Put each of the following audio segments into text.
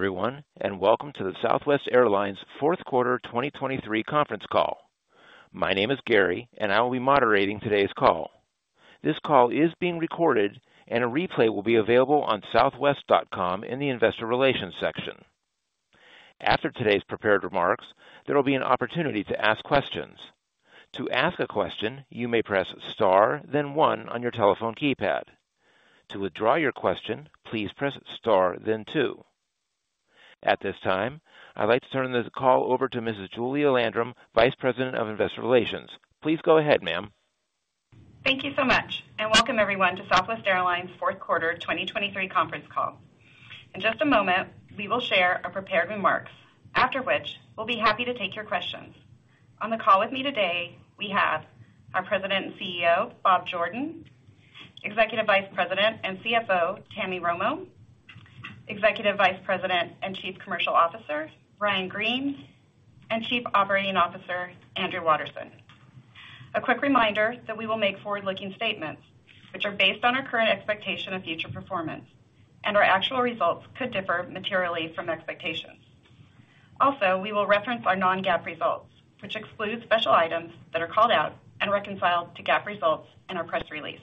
Hello everyone and welcome to the Southwest Airlines Fourth Quarter 2023 conference call. My name is Gary and I will be moderating today's call. This call is being recorded and a replay will be available on southwest.com in the Investor Relations section. After today's prepared remarks, there will be an opportunity to ask questions. To ask a question, you may press Star, then one on your telephone keypad. To withdraw your question, please press Star, then two. At this time, I'd like to turn this call over to Mrs. Julia Landrum, Vice President of Investor Relations. Please go ahead, ma'am. Thank you so much and welcome everyone to Southwest Airlines' fourth quarter 2023 conference call. In just a moment, we will share our prepared remarks, after which we'll be happy to take your questions. On the call with me today, we have our President and CEO, Bob Jordan, Executive Vice President and CFO, Tammy Romo, Executive Vice President and Chief Commercial Officer, Ryan Green and Chief Operating Officer Andrew Watterson. A quick reminder that we will make forward-looking statements which are based on our current expectation of future performance and our actual results could differ materially from expectations. Also, we will reference our non-GAAP results, which excludes special items that are called out and reconciled to GAAP results in our press release.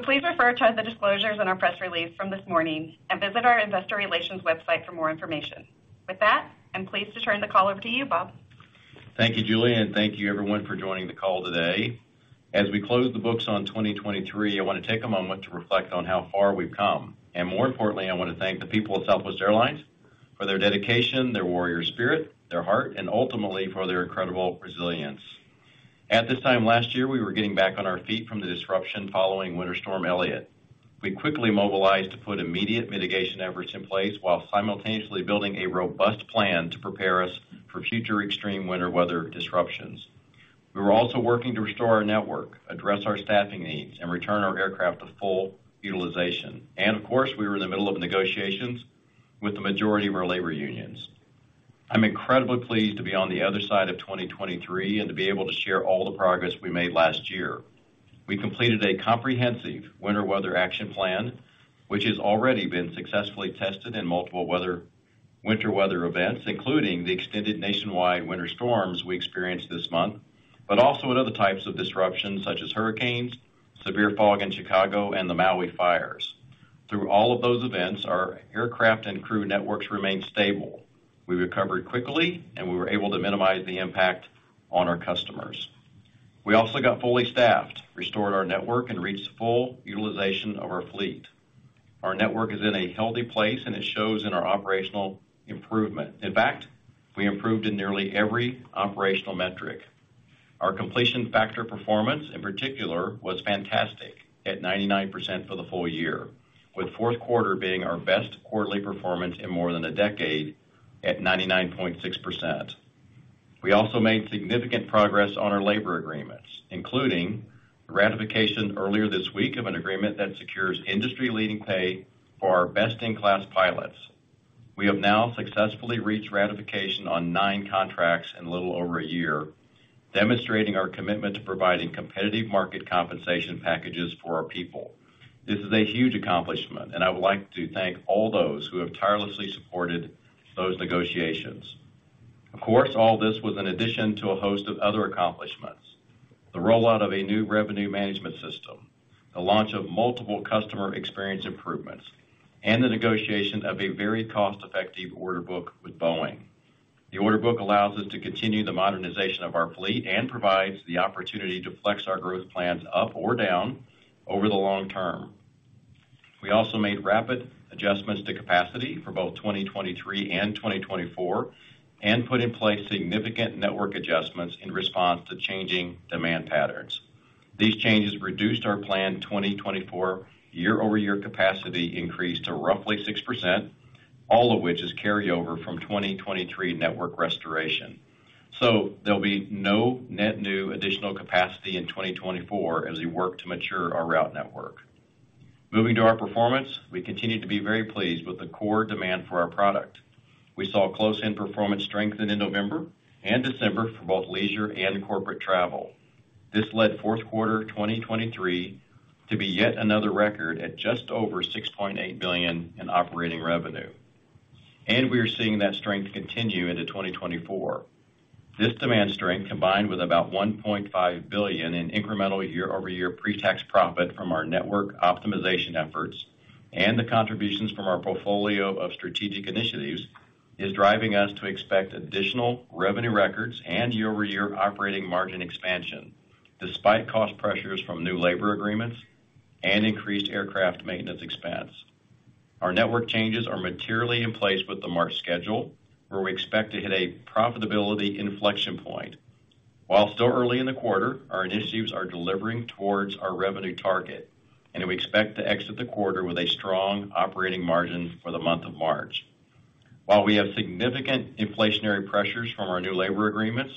Please refer to the disclosures in our press release from this morning and visit our Investor Relations Website for more information. With that, I'm pleased to turn the call over to you, Bob. Thank you, Julia and thank you everyone for joining the call today. As we close the books on 2023, I want to take a moment to reflect on how far we've come and more importantly, I want to thank the people at Southwest Airlines for their dedication, their warrior spirit, their heart and ultimately for their incredible resilience. At this time last year, we were getting back on our feet from the disruption following Winter Storm Elliott. We quickly mobilized to put immediate mitigation efforts in place while simultaneously building a robust plan to prepare us for future extreme winter weather disruptions. We were also working to restore our network, address our staffing needs and return our aircraft to full utilization. Of course, we were in the middle of negotiations with the majority of our labor unions. I'm incredibly pleased to be on the other side of 2023 and to be able to share all the progress we made last year. We completed a comprehensive winter weather action plan, which has already been successfully tested in multiple winter weather events, including the extended nationwide winter storms we experienced this month, but also in other types of disruptions such as hurricanes, severe fog in Chicago and the Maui fires. Through all of those events, our aircraft and crew networks remained stable. We recovered quickly and we were able to minimize the impact on our customers. We also got fully staffed, restored our network and reached full utilization of our fleet. Our network is in a healthy place and it shows in our operational improvement. In fact, we improved in nearly every operational metric. Our completion factor performance, in particular, was fantastic at 99% for the full year, with fourth quarter being our best quarterly performance in more than a decade at 99.6%. We also made significant progress on our labor agreements, including the ratification earlier this week of an agreement that secures industry-leading pay for our best-in-class pilots. We have now successfully reached ratification on 9 contracts in little over a year, demonstrating our commitment to providing competitive market compensation packages for our people. This is a huge accomplishment and I would like to thank all those who have tirelessly supported those negotiations. Of course, all this was in addition to a host of other accomplishments: the rollout of a new revenue management system, the launch of multiple customer experience improvements and the negotiation of a very cost-effective order book with Boeing. The order book allows us to continue the modernization of our fleet and provides the opportunity to flex our growth plans up or down over the long term. We also made rapid adjustments to capacity for both 2023 and 2024 and put in place significant network adjustments in response to changing demand patterns. These changes reduced our planned 2024 year-over-year capacity increase to roughly 6%, all of which is carryover from 2023 network restoration. So there'll be no net new additional capacity in 2024 as we work to mature our route network. Moving to our performance, we continue to be very pleased with the core demand for our product. We saw close-in performance strengthen in November and December for both leisure and corporate travel. This led fourth quarter 2023 to be yet another record at just over $6.8 billion in operating revenue and we are seeing that strength continue into 2024. This demand strength, combined with about $1.5 billion in incremental year-over-year pre-tax profit from our network optimization efforts and the contributions from our portfolio of strategic initiatives, is driving us to expect additional revenue records and year-over-year operating margin expansion, despite cost pressures from new labor agreements and increased aircraft maintenance expense. Our network changes are materially in place with the March schedule, where we expect to hit a profitability inflection point. While still early in the quarter, our initiatives are delivering towards our revenue target and we expect to exit the quarter with a strong operating margin for the month of March. While we have significant inflationary pressures from our new labor agreements,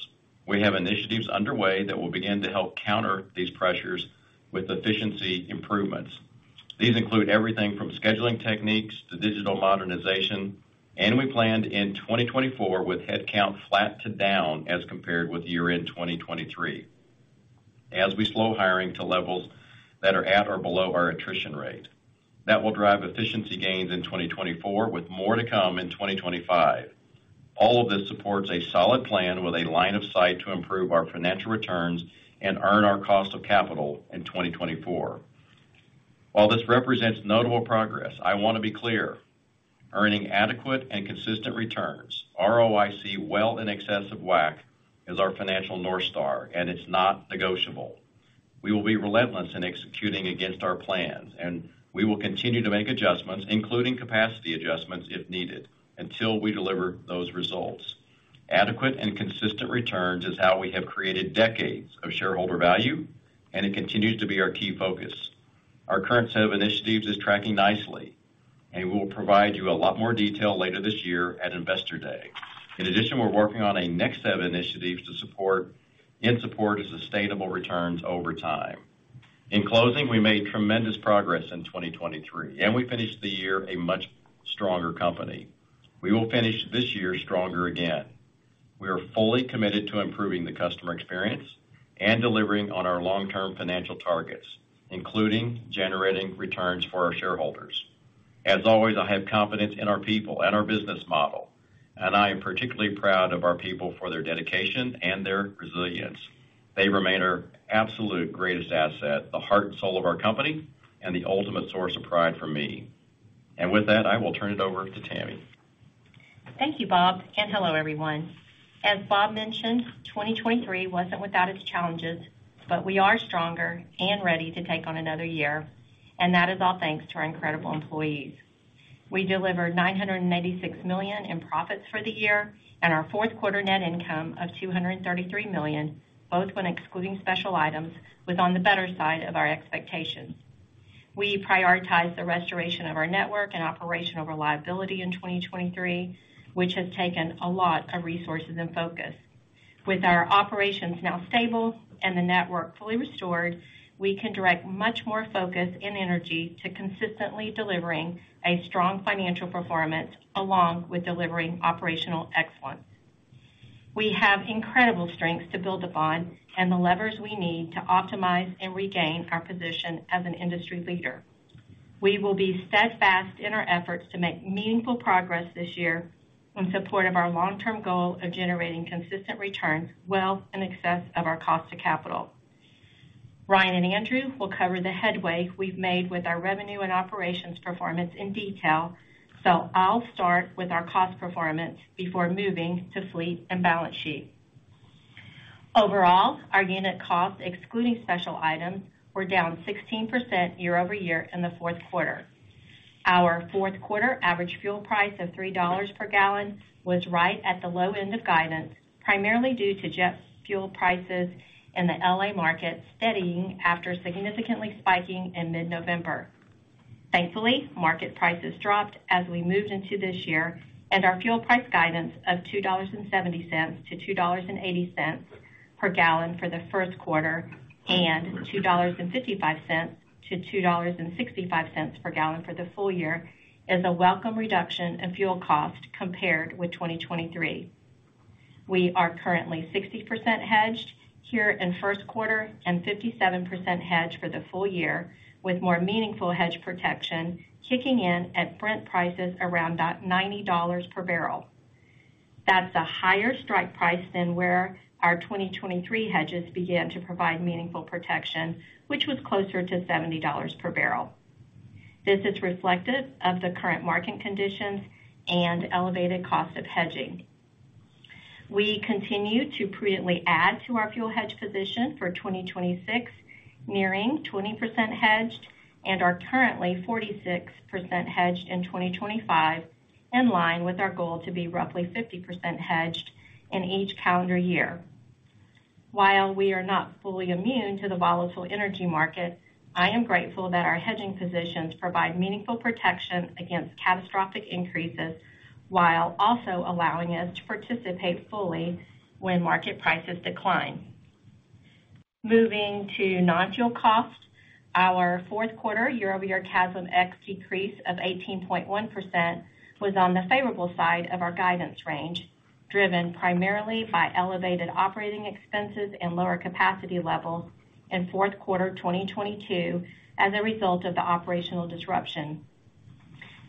we have initiatives underway that will begin to help counter these pressures with efficiency improvements. These include everything from scheduling techniques to digital modernization and we planned in 2024 with headcount flat to down as compared with year-end 2023, as we slow hiring to levels that are at or below our attrition rate. That will drive efficiency gains in 2024, with more to come in 2025. All of this supports a solid plan with a line of sight to improve our financial returns and earn our cost of capital in 2024. While this represents notable progress, I want to be clear, earning adequate and consistent returns, ROIC, well in excess of WACC, is our financial North star and it's not negotiable. We will be relentless in executing against our plans and we will continue to make adjustments, including capacity adjustments, if needed, until we deliver those results. Adequate and consistent returns is how we have created decades of shareholder value and it continues to be our key focus. Our current set of initiatives is tracking nicely and we will provide you a lot more detail later this year at Investor Day. In addition, we're working on a next set of initiatives to support, in support of sustainable returns over time. In closing, we made tremendous progress in 2023 and we finished the year a much stronger company. We will finish this year stronger again. We are fully committed to improving the customer experience and delivering on our long-term financial targets, including generating returns for our shareholders. As always, I have confidence in our people and our business model and I am particularly proud of our people for their dedication and their resilience. They remain our absolute greatest asset, the heart and soul of our company and the ultimate source of pride for me and with that, I will turn it over to Tammy. Thank you, Bob and hello everyone. As Bob mentioned, 2023 wasn't without its challenges, but we are stronger and ready to take on another year and that is all thanks to our incredible employees. We delivered $986 million in profits for the year and our fourth quarter net income of $233 million, both when excluding special items, was on the better side of our expectations. We prioritized the restoration of our network and operational reliability in 2023, which has taken a lot of resources and focus. With our operations now stable and the network fully restored, we can direct much more focus and energy to consistently delivering a strong financial performance along with delivering operational excellence. We have incredible strengths to build upon and the levers we need to optimize and regain our position as an industry leader. We will be steadfast in our efforts to make meaningful progress this year in support of our long-term goal of generating consistent returns well in excess of our cost of capital. Ryan and Andrew will cover the headway we've made with our revenue and operations performance in detail, I'll start with our cost performance before moving to fleet and balance sheet. Overall, our unit costs, excluding special items, were down 16% year-over-year in the fourth quarter. Our fourth quarter average fuel price of $3 per gallon was right at the low end of guidance, primarily due to jet fuel prices in the LA market, steadying after significantly spiking in mid-November. Thankfully, market prices dropped as we moved into this year and our fuel price guidance of $2.70-$2.80 per gallon for the first quarter and $2.55-$2.65 per gallon for the full year is a welcome reduction in fuel cost compared with 2023. We are currently 60% hedged here in first quarter and 57% hedged for the full year, with more meaningful hedge protection kicking in at Brent prices around about $90 per barrel. That's a higher strike price than where our 2023 hedges began to provide meaningful protection, which was closer to $70 per barrel. This is reflective of the current market conditions and elevated cost of hedging. We continue to prudently add to our fuel hedge position for 2026, nearing 20% hedged and are currently 46% hedged in 2025, in line with our goal to be roughly 50% hedged in each calendar year. While we are not fully immune to the volatile energy market, I am grateful that our hedging positions provide meaningful protection against catastrophic increases, while also allowing us to participate fully when market prices decline. Moving to non-fuel costs, our fourth quarter year-over-year CASM-ex decrease of 18.1% was on the favorable side of our guidance range, driven primarily by elevated operating expenses and lower capacity levels in fourth quarter 2022 as a result of the operational disruption.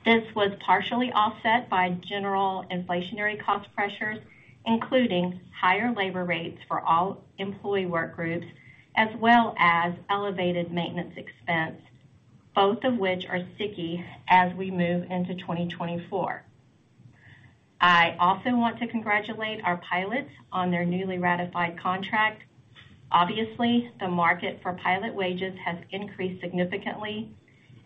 This was partially offset by general inflationary cost pressures, including higher labor rates for all employee work groups, as well as elevated maintenance expense, both of which are sticky as we move into 2024. I also want to congratulate our pilots on their newly ratified contract. Obviously, the market for pilot wages has increased significantly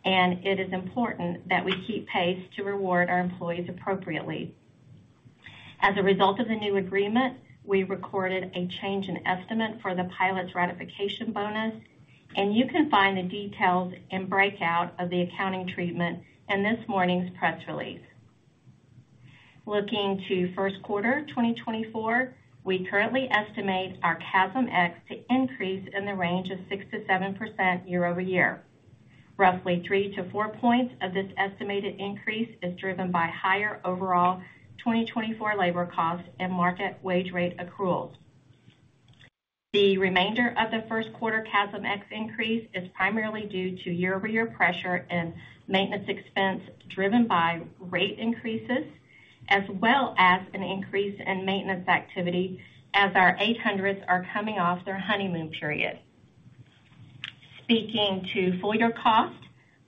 and it is important that we keep pace to reward our employees appropriately. As a result of the new agreement, we recorded a change in estimate for the pilot's ratification bonus and you can find the details and breakout of the accounting treatment in this morning's press release. Looking to first quarter 2024, we currently estimate our CASM-ex to increase in the range of 6%-7% year-over-year. Roughly 3-4 points of this estimated increase is driven by higher overall 2024 labor costs and market wage rate accruals. The remainder of the first quarter CASM-ex increase is primarily due to year-over-year pressure and maintenance expense, driven by rate increases, as well as an increase in maintenance activity as our 800s are coming off their honeymoon period. Speaking to full year costs,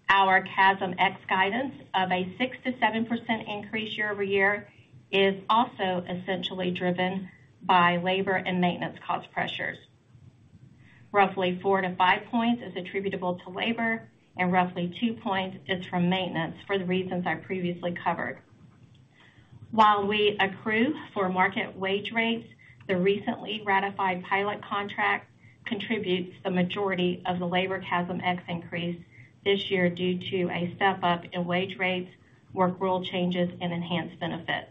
our CASM-ex guidance of a 6%-7% increase year-over-year is also essentially driven by labor and maintenance cost pressures. Roughly 4-5 points is attributable to labor and roughly 2 points is from maintenance for the reasons I previously covered. While we accrue for market wage rates, the recently ratified pilot contract contributes the majority of the labor CASM-ex increase this year due to a step up in wage rates, work rule changes and enhanced benefits.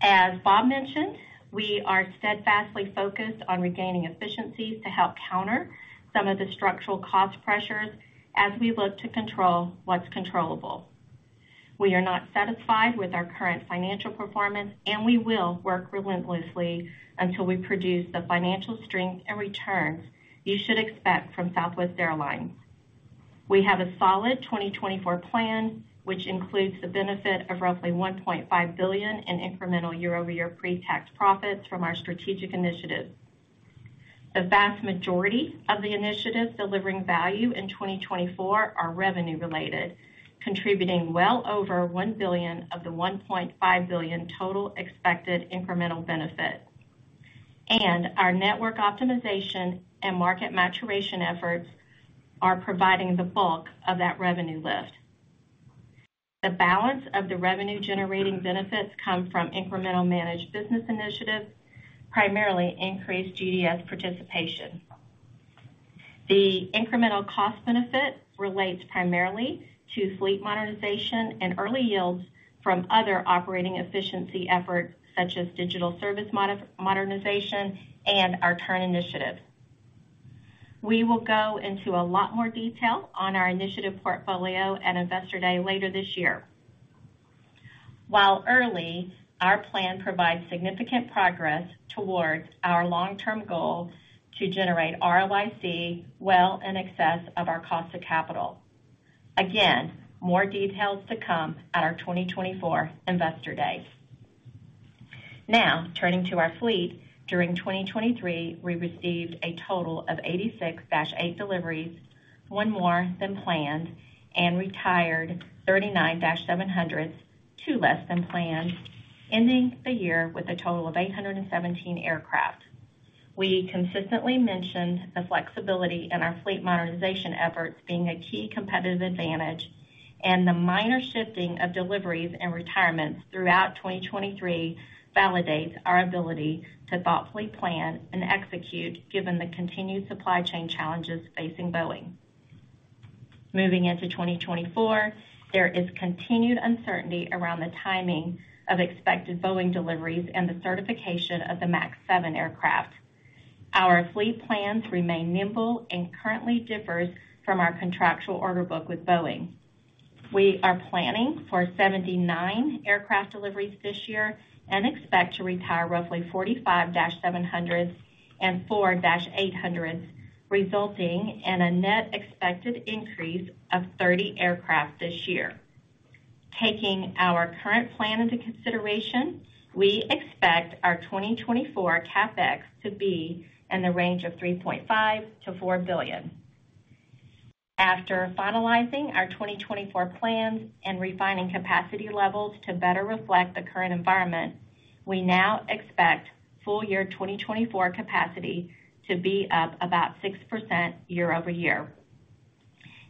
As Bob mentioned, we are steadfastly focused on regaining efficiencies to help counter some of the structural cost pressures as we look to control what's controllable. We are not satisfied with our current financial performance and we will work relentlessly until we produce the financial strength and returns you should expect from Southwest Airlines. We have a solid 2024 plan, which includes the benefit of roughly $1.5 billion in incremental year-over-year pre-tax profits from our strategic initiatives. The vast majority of the initiatives delivering value in 2024 are revenue related, contributing well over $1 billion of the $1.5 billion total expected incremental benefit. Our network optimization and market maturation efforts are providing the bulk of that revenue lift. The balance of the revenue-generating benefits come from incremental managed business initiatives, primarily increased GDS participation. The incremental cost benefit relates primarily to fleet modernization and early yields from other operating efficiency efforts, such as digital service modernization and our turn initiative. We will go into a lot more detail on our initiative portfolio at Investor Day later this year. While early, our plan provides significant progress towards our long-term goal to generate ROIC well in excess of our cost of capital. Again, more details to come at our 2024 Investor Day. Now, turning to our fleet. During 2023, we received a total of 86 -8 deliveries, one more than planned and retired 39 -700s two less than planned ending the year with a total of 817 aircraft. We consistently mentioned the flexibility in our fleet modernization efforts being a key competitive advantage and the minor shifting of deliveries and retirements throughout 2023 validates our ability to thoughtfully plan and execute given the continued supply chain challenges facing Boeing. Moving into 2024, there is continued uncertainty around the timing of expected Boeing deliveries and the certification of the MAX 7 aircraft. Our fleet plans remain nimble and currently differs from our contractual order book with Boeing. We are planning for 79 aircraft deliveries this year and expect to retire roughly 45 -700s and 4 -800s resulting in a net expected increase of 30 aircraft this year. Taking our current plan into consideration, we expect our 2024 CapEx to be in the range of $3.5 billion-$4 billion. After finalizing our 2024 plans and refining capacity levels to better reflect the current environment, we now expect full-year 2024 capacity to be up about 6% year-over-year.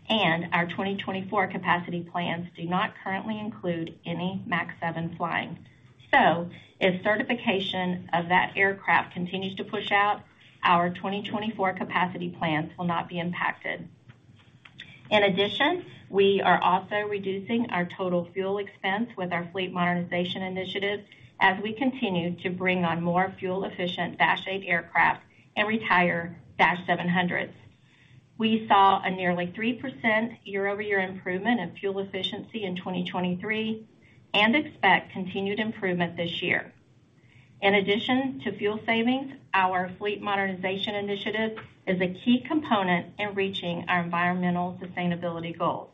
Our 2024 capacity plans do not currently include any MAX 7 flying. If certification of that aircraft continues to push out, our 2024 capacity plans will not be impacted. In addition, we are also reducing our total fuel expense with our fleet modernization initiatives as we continue to bring on more fuel-efficient -8 aircraft and retire -700s. We saw a nearly 3% year-over-year improvement in fuel efficiency in 2023 and expect continued improvement this year. In addition to fuel savings, our fleet modernization initiative is a key component in reaching our environmental sustainability goals.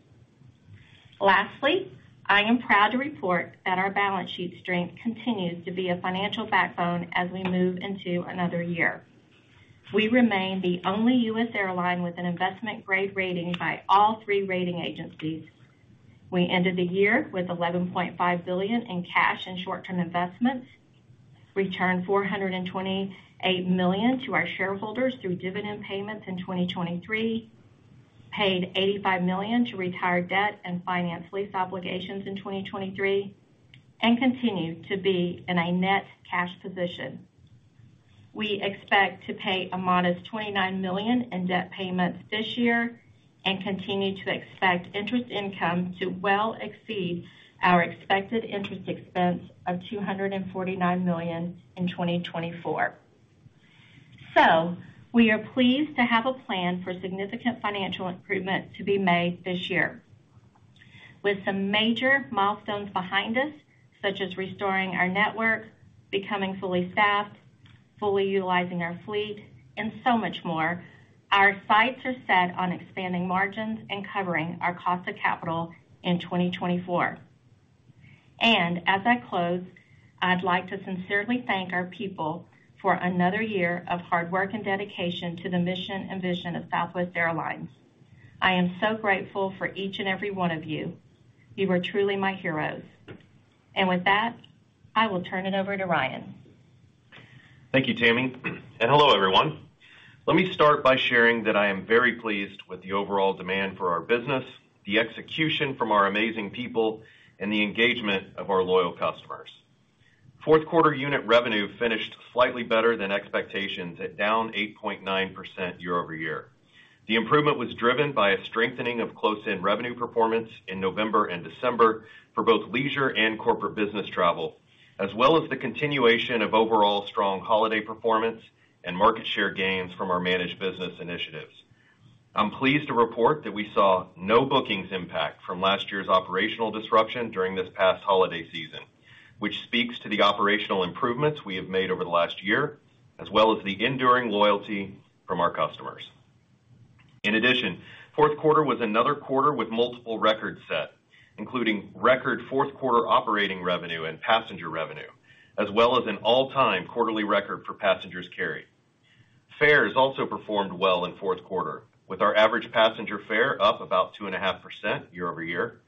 Lastly, I am proud to report that our balance sheet strength continues to be a financial backbone as we move into another year. We remain the only U.S. airline with an investment grade rating by all three rating agencies. We ended the year with $11.5 billion in cash and short-term investments, returned $428 million to our shareholders through dividend payments in 2023, paid $85 million to retire debt and finance lease obligations in 2023 and continue to be in a net cash position. We expect to pay a modest $29 million in debt payments this year and continue to expect interest income to well exceed our expected interest expense of $249 million in 2024. So we are pleased to have a plan for significant financial improvement to be made this year. With some major milestones behind us, such as restoring our network, becoming fully staffed, fully utilizing our fleet and so much more, our sights are set on expanding margins and covering our cost of capital in 2024 and as I close, I'd like to sincerely thank our people for another year of hard work and dedication to the mission and vision of Southwest Airlines. I am so grateful for each and every one of you. You are truly my heroes and with that, I will turn it over to Ryan. Thank you Tammy and hello everyone. Let me start by sharing that I am very pleased with the overall demand for our business, the execution from our amazing people and the engagement of our loyal customers. Fourth quarter unit revenue finished slightly better than expectations at down 8.9% year-over-year. The improvement was driven by a strengthening of close-in revenue performance in November and December for both leisure and corporate business travel, as well as the continuation of overall strong holiday performance and market share gains from our managed business initiatives. I'm pleased to report that we saw no bookings impact from last year's operational disruption during this past holiday season, which speaks to the operational improvements we have made over the last year, as well as the enduring loyalty from our customers. In addition, fourth quarter was another quarter with multiple records set, including record fourth quarter operating revenue and passenger revenue, as well as an all-time quarterly record for passengers carried. Fares also performed well in fourth quarter, with our average passenger fare up about 2.5% year-over-year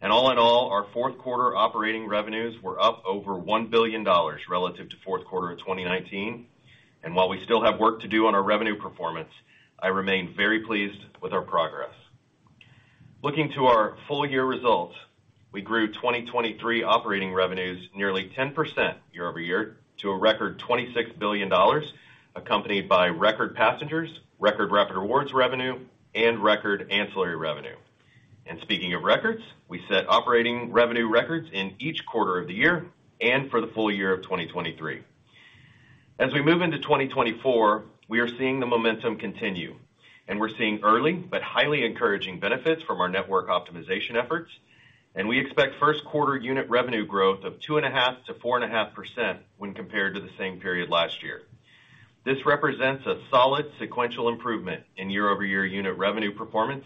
and all in all, our fourth quarter operating revenues were up over $1 billion relative to fourth quarter of 2019 and while we still have work to do on our revenue performance, I remain very pleased with our progress. Looking to our full year results, we grew 2023 operating revenues nearly 10% year-over-year to a record $26 billion, accompanied by record passengers, record Rapid Rewards revenue and record ancillary revenue. Speaking of records, we set operating revenue records in each quarter of the year and for the full year of 2023. As we move into 2024, we are seeing the momentum continue and we're seeing early but highly encouraging benefits from our network optimization efforts and we expect first quarter unit revenue growth of 2.5%-4.5% when compared to the same period last year. This represents a solid sequential improvement in year-over-year unit revenue performance,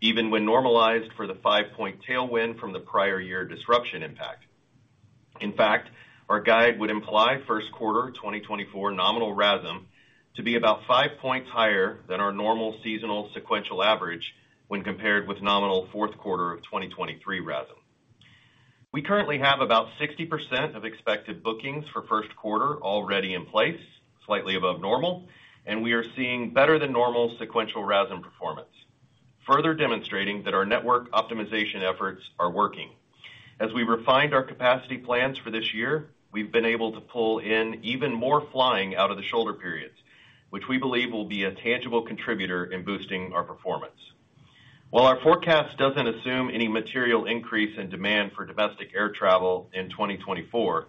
even when normalized for the 5-point tailwind from the prior year disruption impact. In fact, our guide would imply first quarter 2024 nominal RASM to be about 5 points higher than our normal seasonal sequential average when compared with nominal fourth quarter of 2023 RASM. We currently have about 60% of expected bookings for first quarter already in place, slightly above normal and we are seeing better than normal sequential RASM performance, further demonstrating that our network optimization efforts are working. As we refined our capacity plans for this year, we've been able to pull in even more flying out of the shoulder periods, which we believe will be a tangible contributor in boosting our performance. While our forecast doesn't assume any material increase in demand for domestic air travel in 2024,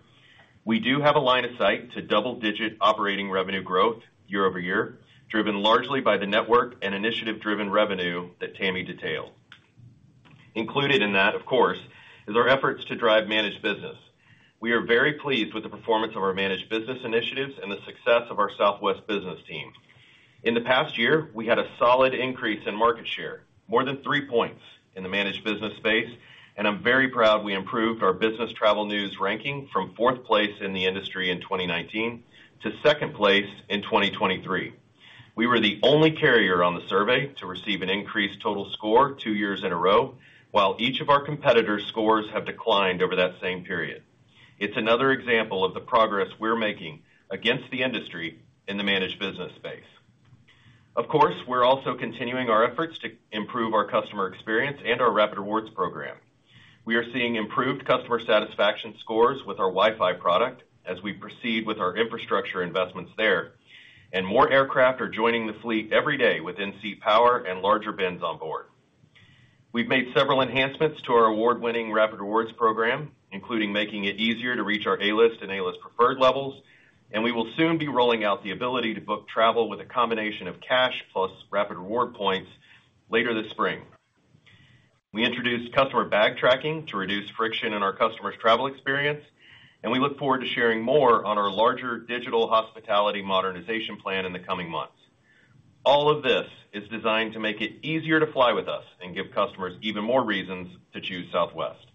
we do have a line of sight to double-digit operating revenue growth year-over-year, driven largely by the network and initiative-driven revenue that Tammy detailed. Included in that, of course, is our efforts to drive managed business. We are very pleased with the performance of our managed business initiatives and the success of our Southwest Business team. In the past year, we had a solid increase in market share, more than 3 points in the managed business space and I'm very proud we improved our Business Travel News ranking from fourth place in the industry in 2019 to second place in 2023. We were the only carrier on the survey to receive an increased total score two years in a row, while each of our competitors' scores have declined over that same period. It's another example of the progress we're making against the industry in the managed business space. Of course, we're also continuing our efforts to improve our customer experience and our Rapid Rewards program. We are seeing improved customer satisfaction scores with our Wi-Fi product as we proceed with our infrastructure investments there and more aircraft are joining the fleet every day with in-seat power and larger bins on board. We've made several enhancements to our award-winning Rapid Rewards program, including making it easier to reach our A-List and A-List Preferred levels and we will soon be rolling out the ability to book travel with a combination of cash plus Rapid Rewards points later this spring. We introduced customer bag tracking to reduce friction in our customers' travel experience and we look forward to sharing more on our larger digital hospitality modernization plan in the coming months. All of this is designed to make it easier to fly with us and give customers even more reasons to choose Southwest.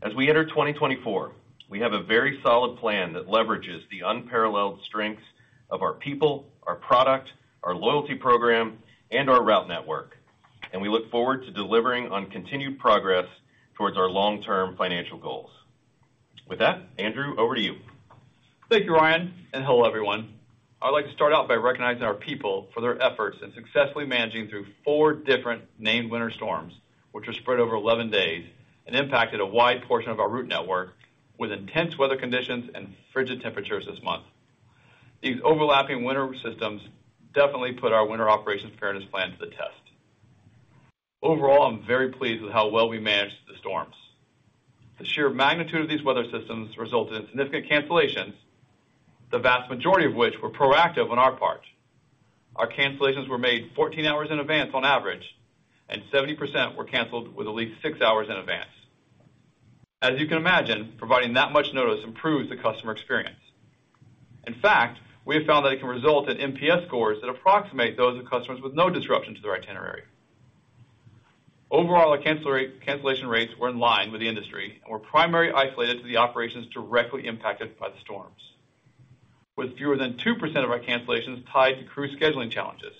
As we enter 2024, we have a very solid plan that leverages the unparalleled strengths of our people, our product, our loyalty program and our route network and we look forward to delivering on continued progress towards our long-term financial goals. With that andrew, over to you. Thank you Ryan and hello everyone. I'd like to start out by recognizing our people for their efforts in successfully managing through 4 different named winter storms, which were spread over 11 days and impacted a wide portion of our route network with intense weather conditions and frigid temperatures this month. These overlapping winter systems definitely put our winter operations preparedness plan to the test. Overall, I'm very pleased with how well we managed the storms. The sheer magnitude of these weather systems resulted in significant cancellations, the vast majority of which were proactive on our part. Our cancellations were made 14 hours in advance on average and 70% were canceled with at least 6 hours in advance. As you can imagine, providing that much notice improves the customer experience. In fact, we have found that it can result in NPS scores that approximate those of customers with no disruption to their itinerary. Overall, our cancellation rates were in line with the industry and were primarily isolated to the operations directly impacted by the storms, with fewer than 2% of our cancellations tied to crew scheduling challenges.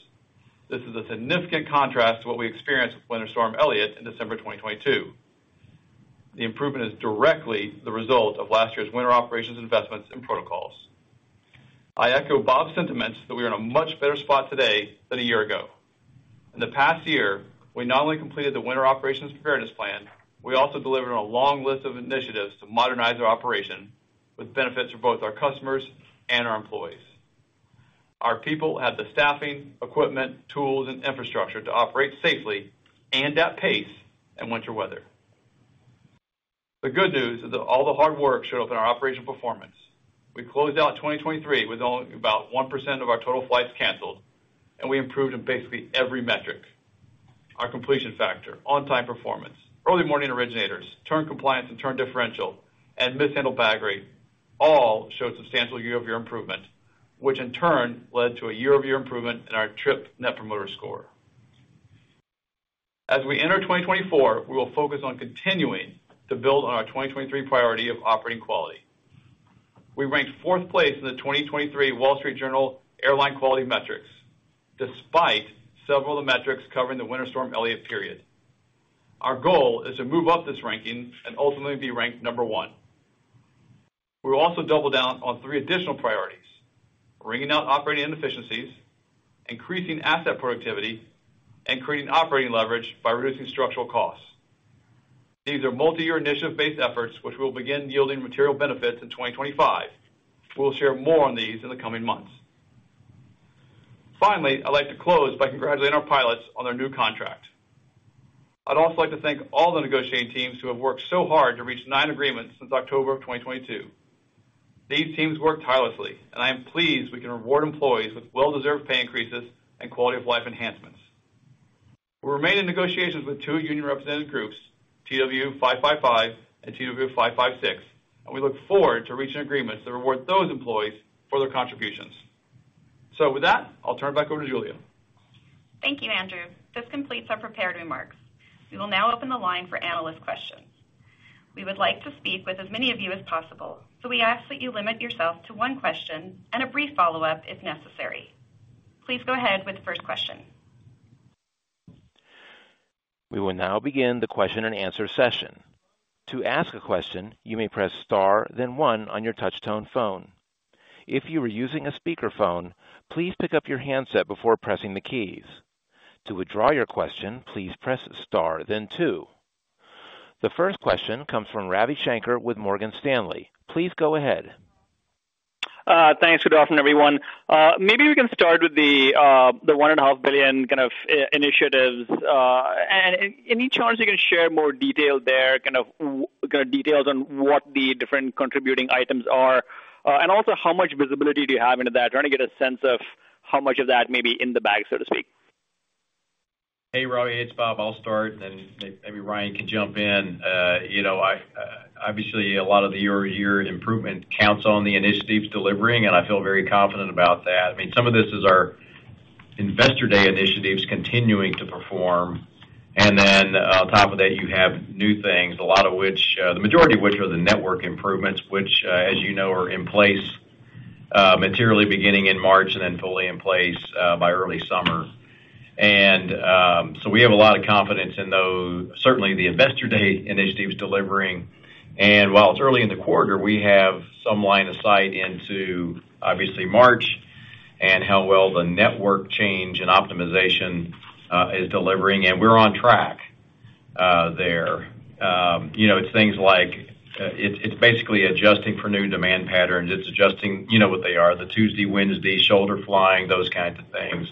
This is a significant contrast to what we experienced with Winter Storm Elliott in December 2022. The improvement is directly the result of last year's winter operations investments and protocols. I echo Bob's sentiments that we are in a much better spot today than a year ago. In the past year, we not only completed the Winter Operations Preparedness Plan, we also delivered on a long list of initiatives to modernize our operation, with benefits for both our customers and our employees. Our people have the staffing, equipment, tools and infrastructure to operate safely and at pace in winter weather. The good news is that all the hard work showed up in our operational performance. We closed out 2023 with only about 1% of our total flights canceled and we improved in basically every metric. Our completion factor, on-time performance, early morning originators, turn compliance and turn differential and mishandled bag rate all showed substantial year-over-year improvement, which in turn led to a year-over-year improvement in our trip Net Promoter Score. As we enter 2024, we will focus on continuing to build on our 2023 priority of operating quality. We ranked fourth place in the 2023 Wall Street Journal Airline Quality Metrics, despite several of the metrics covering the Winter Storm Elliott period. Our goal is to move up this ranking and ultimately be ranked number one. We'll also double down on three additional priorities: wringing out operating inefficiencies, increasing asset productivity and creating operating leverage by reducing structural costs. These are multi-year, initiative-based efforts, which will begin yielding material benefits in 2025. We'll share more on these in the coming months. Finally, I'd like to close by congratulating our pilots on their new contract. I'd also like to thank all the negotiating teams who have worked so hard to reach 9 agreements since October of 2022. These teams work tirelessly and I am pleased we can reward employees with well-deserved pay increases and quality of life enhancements. We remain in negotiations with two union-represented groups, TWU 555 and TWU 556 and we look forward to reaching agreements that reward those employees for their contributions. With that, I'll turn it back over to Julia. Thank you Andrew. This completes our prepared remarks. We will now open the line for analyst questions. We would like to speak with as many of you as possible, so we ask that you limit yourself to one question and a brief follow-up if necessary. Please go ahead with the first question. We will now begin the question-and-answer session. To ask a question, you may press Star, then one on your touchtone phone. If you are using a speakerphone, please pick up your handset before pressing the keys. To withdraw your question, please press Star then two. The first question comes from Ravi Shanker with Morgan Stanley. Please go ahead. Thanks. Good afternoon, everyone. Maybe we can start with the $1.5 billion kind of initiatives and any chance you can share more detail there, kind of details on what the different contributing items are? And also, how much visibility do you have into that? Trying to get a sense of how much of that may be in the bag, so to speak. Ravi, it's Bob. I'll start and then maybe Ryan can jump in. You know, I obviously a lot of the year-over-year improvement counts on the initiatives delivering and I feel very confident about that. I mean, some of this is our Investor Day initiatives continuing to perform and then on top of that, you have new things, a lot of which, the majority of which are the network improvements, which, as you know, are in place, materially beginning in March and then fully in place, by early summer. So we have a lot of confidence in those. Certainly, the Investor Day initiative is delivering and while it's early in the quarter, we have some line of sight into, obviously, March and how well the network change and optimization is delivering and we're on track, there. It's things like, it's basically adjusting for new demand patterns. It's adjusting... You know what they are, the Tuesday, Wednesday, shoulder flying, those kinds of things.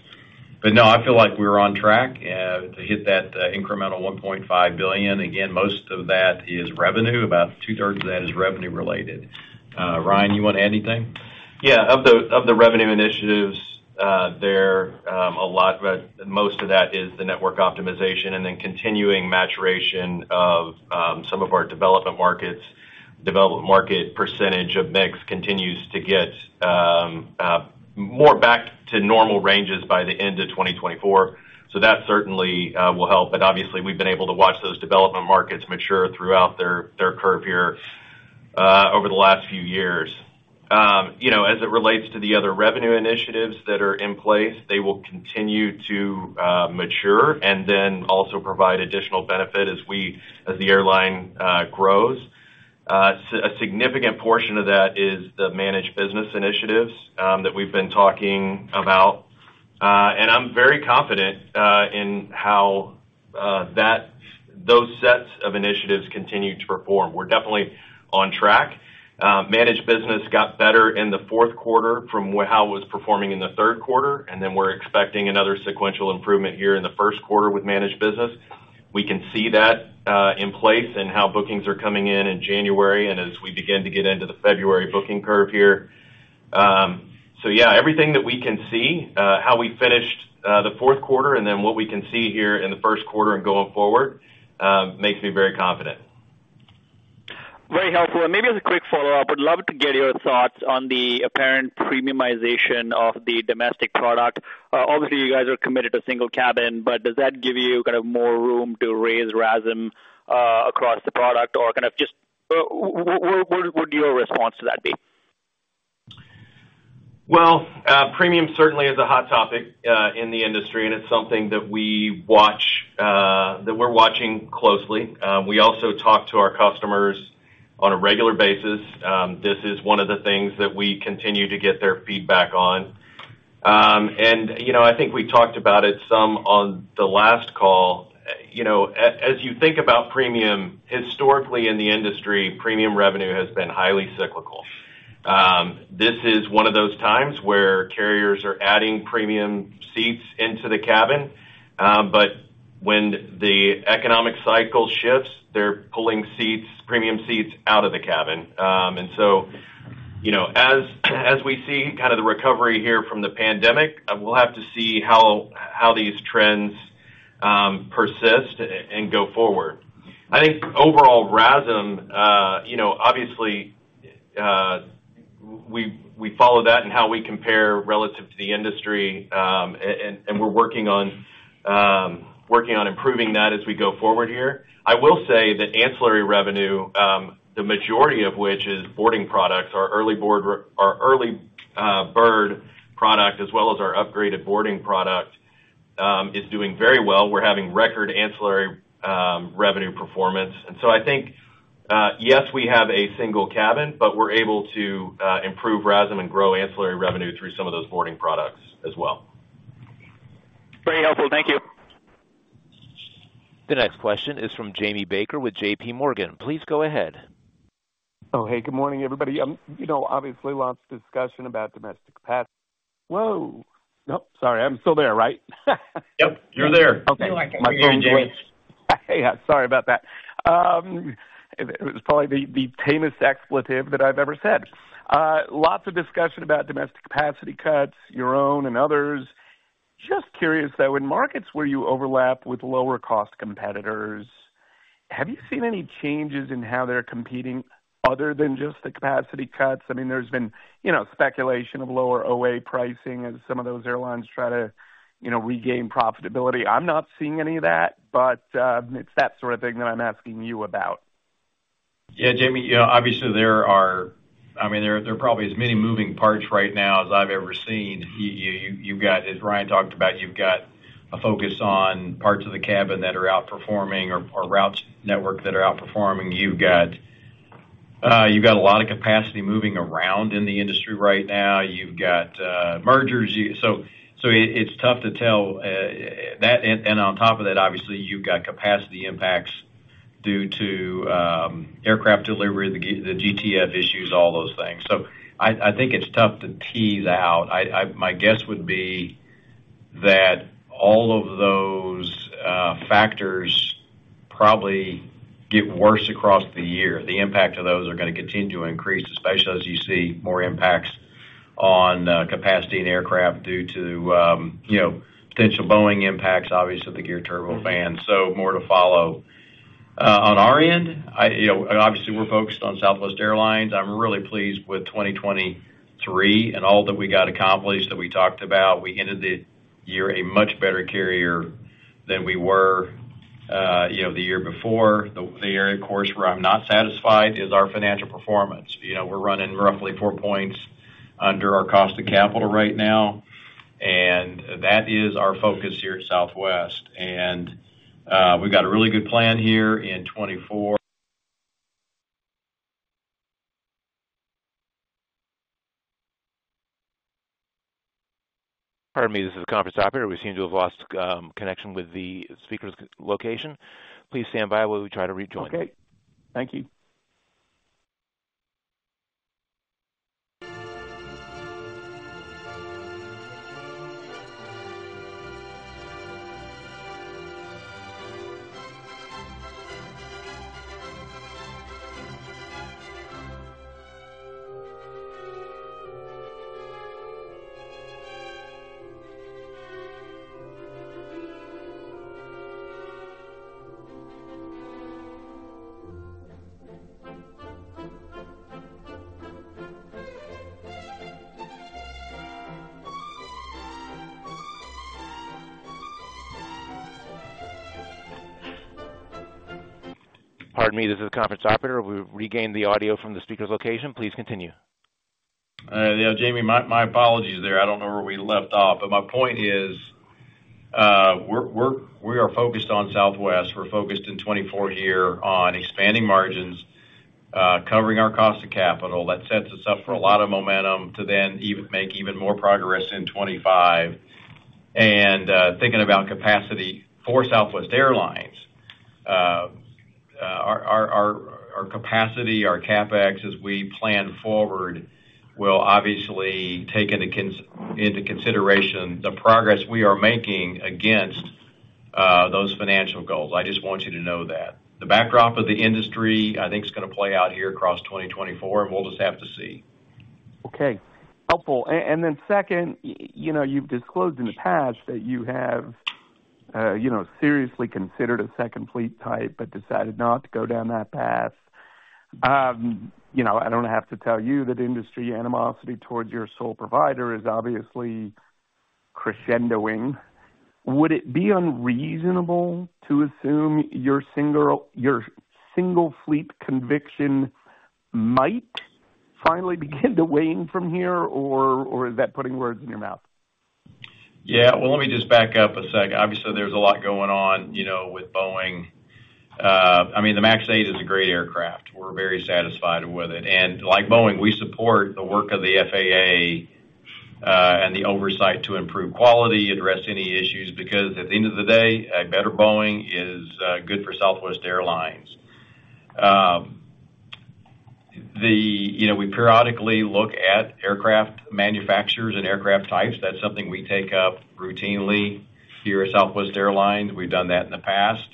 But no, I feel like we're on track to hit that incremental $1.5 billion. Again, most of that is revenue. About two-thirds of that is revenue-related. Ryan, you want to add anything? Of the revenue initiatives, a lot, but most of that is the network optimization and then continuing maturation of some of our development markets. Development market percentage of mix continues to get more back to normal ranges by the end of 2024. So that certainly will help, but obviously, we've been able to watch those development markets mature throughout their curve here over the last few years. You know, as it relates to the other revenue initiatives that are in place, they will continue to mature and then also provide additional benefit as the airline grows. A significant portion of that is the managed business initiatives that we've been talking about and I'm very confident in how those sets of initiatives continue to perform. We're definitely on track. Managed business got better in the fourth quarter from how it was performing in the third quarter and then we're expecting another sequential improvement here in the first quarter with managed business. We can see that, in place and how bookings are coming in in January and as we begin to get into the February booking curve here. Everything that we can see, how we finished, the fourth quarter and then what we can see here in the first quarter and going forward, makes me very confident. Very helpful. Maybe as a quick follow-up, I'd love to get your thoughts on the apparent premiumization of the domestic product. Obviously, you guys are committed to single cabin, but does that give you kind of more room to raise RASM across the product? Or kind of just, what would your response to that be? Premium certainly is a hot topic in the industry and it's something that we watch that we're watching closely. We also talk to our customers on a regular basis, this is one of the things that we continue to get their feedback on and we talked about it some on the last call. You know, as you think about premium, historically in the industry, premium revenue has been highly cyclical. This is one of those times where carriers are adding premium seats into the cabin, but when the economic cycle shifts, they're pulling seats, premium seats out of the cabin and so, you know, as we see kind of the recovery here from the pandemic, we'll have to see how these trends persist and go forward. Overall RASM, we follow that and how we compare relative to the industry and we're working on improving that as we go forward here. I will say that ancillary revenue, the majority of which is boarding products, our early bird product, as well as our upgraded boarding product, is doing very well. We're having record ancillary revenue performance and yes, we have a single cabin, but we're able to improve RASM and grow ancillary revenue through some of those boarding products as well. Very helpful. Thank you. The next question is from Jamie Baker with JPMorgan. Please go ahead. Good morning, everybody. Lots of discussion about domestic path. Whoa! Nope, sorry, I'm still there, right? You're there. You're like Sorry about that. It was probably the tamest expletive that I've ever said. Lots of discussion about domestic capacity cuts, your own and others. Just curious, though, in markets where you overlap with lower-cost competitors, have you seen any changes in how they're competing other than just the capacity cuts? I mean, there's been, you know, speculation of lower OA pricing as some of those airlines try to, you know, regain profitability. I'm not seeing any of that, but it's that sort of thing that I'm asking you about. Jamie, there are probably as many moving parts right now as I've ever seen. Ryan talked about you've got a focus on parts of the cabin that are outperforming or routes network that are outperforming. You've got a lot of capacity moving around in the industry right now. You've got mergers. It's tough to tell that and on top of that, obviously, you've got capacity impacts due to aircraft delivery, the GTF issues, all those things. It's tough to tease out. My guess would be that all of those factors probably get worse across the year. The impact of those are gonna continue to increase, especially as you see more impacts on, capacity and aircraft due to, you know, potential Boeing impacts, obviously, the Geared Turbofan. So more to follow. On our end, I, you know, obviously, we're focused on Southwest Airlines. I'm really pleased with 2023 and all that we got accomplished, that we talked about. We ended the year a much better carrier than we were, you know, the year before. The area, of course, where I'm not satisfied is our financial performance. You know, we're running roughly 4 points under our cost of capital right now and that is our focus here at southwest and, we've got a really good plan here in 2024. Pardon me, this is the conference operator. We seem to have lost connection with the speaker's location. Please stand by while we try to rejoin. Thank you. Pardon me, this is the conference operator. We've regained the audio from the speaker's location. Please continue. Jamie, my apologies there. I don't know where we left off, but my point is, we are focused on Southwest. We're focused in 2024 year on expanding margins. Covering our cost of capital that sets us up for a lot of momentum to then even make even more progress in 25 and thinking about capacity for Southwest Airlines, our capacity, our CapEx, as we plan forward, will obviously take into consideration the progress we are making against those financial goals. I just want you to know that. The backdrop of the industry is gonna play out here across 2024 and we'll just have to see. Helpful and then second you've disclosed in the past that you have seriously considered a second fleet type, but decided not to go down that path. I don't have to tell you that industry animosity towards your sole provider is obviously crescendoing. Would it be unreasonable to assume your single, your single fleet conviction might finally begin to wane from here or is that putting words in your mouth? Let me just back up a second. Obviously, there's a lot going on, you know, with Boeing. The MAX 8 is a great aircraft. We're very satisfied with it and like Boeing, we support the work of the FAA and the oversight to improve quality, address any issues, because at the end of the day, a better Boeing is good for Southwest Airlines. You know, we periodically look at aircraft manufacturers and aircraft types. That's something we take up routinely here at Southwest Airlines. We've done that in the past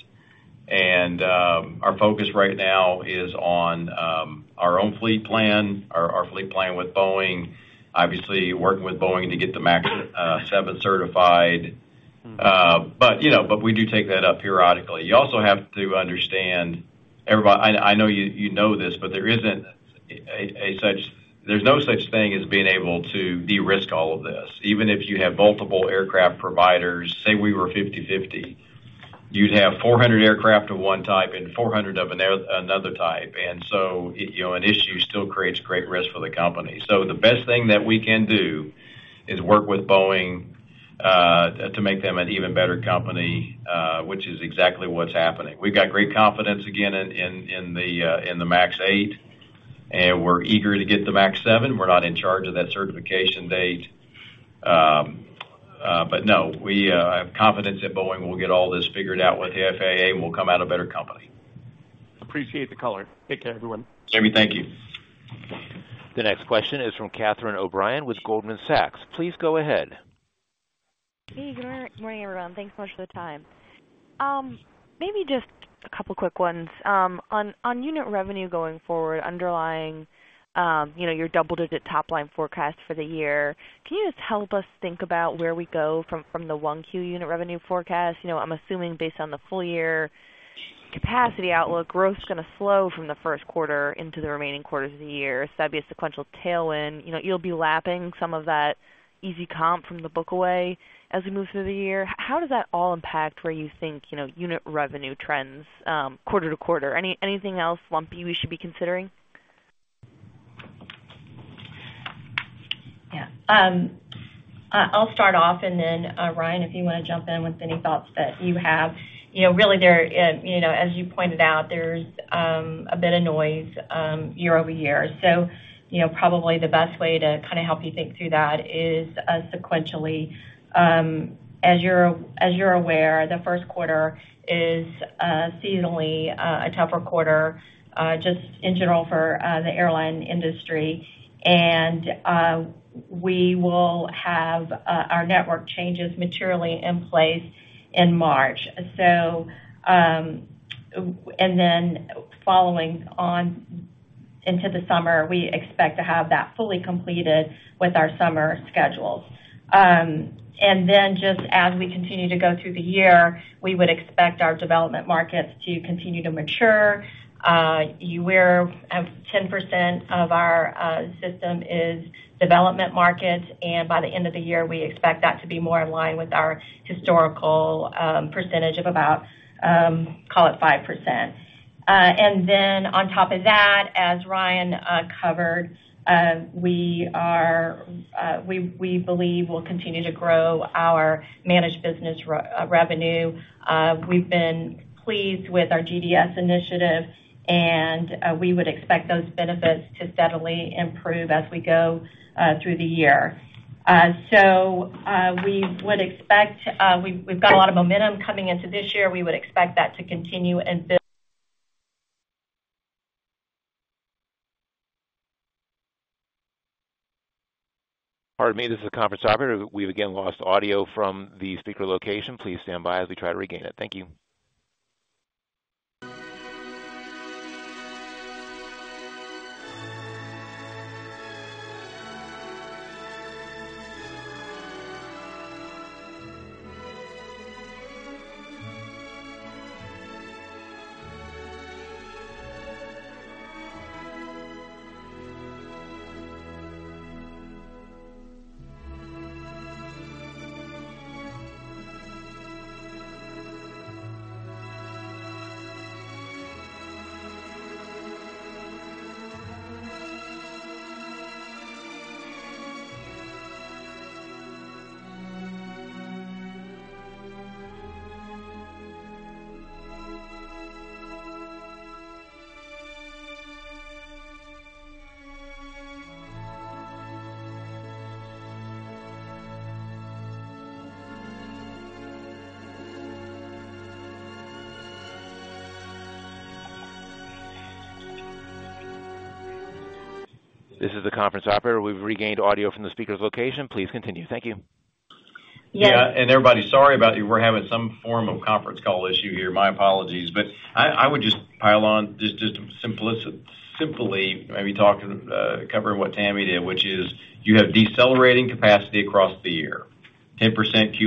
and our focus right now is on our own fleet plan, our fleet plan with Boeing, obviously working with Boeing to get the MAX seven certified. But you know, but we do take that up periodically. You also have to understand, everybody, I know you, you know this, but there isn't such a thing as being able to de-risk all of this. Even if you have multiple aircraft providers, say we were 50/50, you'd have 400 aircraft of one type and 400 of another type and so, you know, an issue still creates great risk for the company. So the best thing that we can do is work with Boeing to make them an even better company, which is exactly what's happening. We've got great confidence, again, in the MAX 8 and we're eager to get the MAX 7. We're not in charge of that certification date. But no, we have confidence that Boeing will get all this figured out with the FAA and we'll come out a better company. Appreciate the color. Take care, everyone. Jamie, thank you. The next question is from Catherine O'Brien with Goldman Sachs. Please go ahead. Hey, good morning, everyone. Thanks so much for the time. Maybe just a couple quick ones. On unit revenue going forward, underlying, you know, your double-digit top-line forecast for the year, can you just help us think about where we go from the 1Q unit revenue forecast? You know, I'm assuming based on the full year capacity outlook, growth is gonna slow from the first quarter into the remaining quarters of the year. So that'd be a sequential tailwind. You know, you'll be lapping some of that easy comp from the book away as we move through the year. How does that all impact where you think, you know, unit revenue trends quarter to quarter? Anything else lumpy we should be considering? I'll start off and then, Ryan, if you wanna jump in with any thoughts that you have. You know, really there, you know, as you pointed out, there's a bit of noise year-over-year. So, you know, probably the best way to kinda help you think through that is sequentially. As you're aware, the first quarter is seasonally a tougher quarter just in general for the airline industry and we will have our network changes materially in place in March. so and then following on into the summer, we expect to have that fully completed with our summer schedules and then just as we continue to go through the year, we would expect our development markets to continue to mature. You're aware of 10% of our system is development markets and by the end of the year, we expect that to be more in line with our historical percentage of about, call it 5% and then on top of that, as Ryan covered, we believe we'll continue to grow our managed business revenue. We've been pleased with our GDS initiative and we would expect those benefits to steadily improve as we go through the year. So, we would expect. We've got a lot of momentum coming into this year. We would expect that to continue and build- Pardon me, this is the conference operator. We've again lost audio from the speaker location. Please stand by as we try to regain it. Thank you. This is the conference operator. We've regained audio from the speaker's location. Please continue. Thank you. Everybody, sorry about you. We're having some form of conference call issue here. My apologies, but I would just pile on, simply maybe talking, covering what Tammy did, which is you have decelerating capacity across the year, 10% Q1,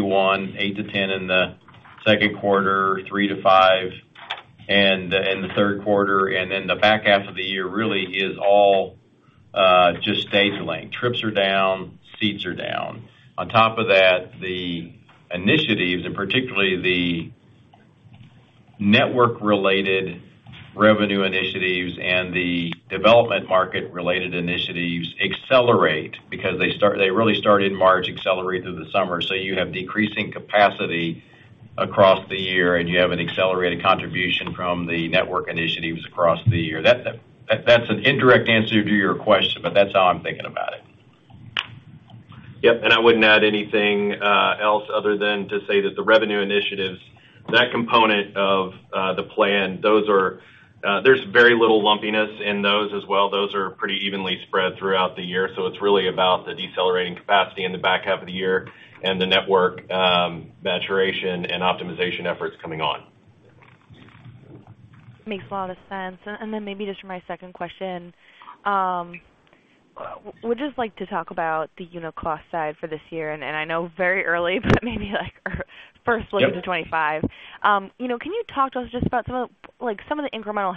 8-10 in the second quarter, 3-5 in the third quarter and then the back half of the year really is all just stagnating. Trips are down, seats are down. On top of that, the initiatives and particularly the network-related revenue initiatives and the development market-related initiatives, accelerate because they start, they really started in March, accelerated through the summer. So you have decreasing capacity across the year and you have an accelerated contribution from the network initiatives across the year. That's an indirect answer to your question, but that's how I'm thinking about it. I wouldn't add anything else other than to say that the revenue initiatives, that component of the plan, those are, there's very little lumpiness in those as well. Those are pretty evenly spread throughout the year. So it's really about the decelerating capacity in the back half of the year and the network maturation and optimization efforts coming on. Makes a lot of sense and then maybe just for my second question, would just like to talk about the unit cost side for this year and I know very early, but maybe, like, first look to 25. You know, can you talk to us just about some of, like, some of the incremental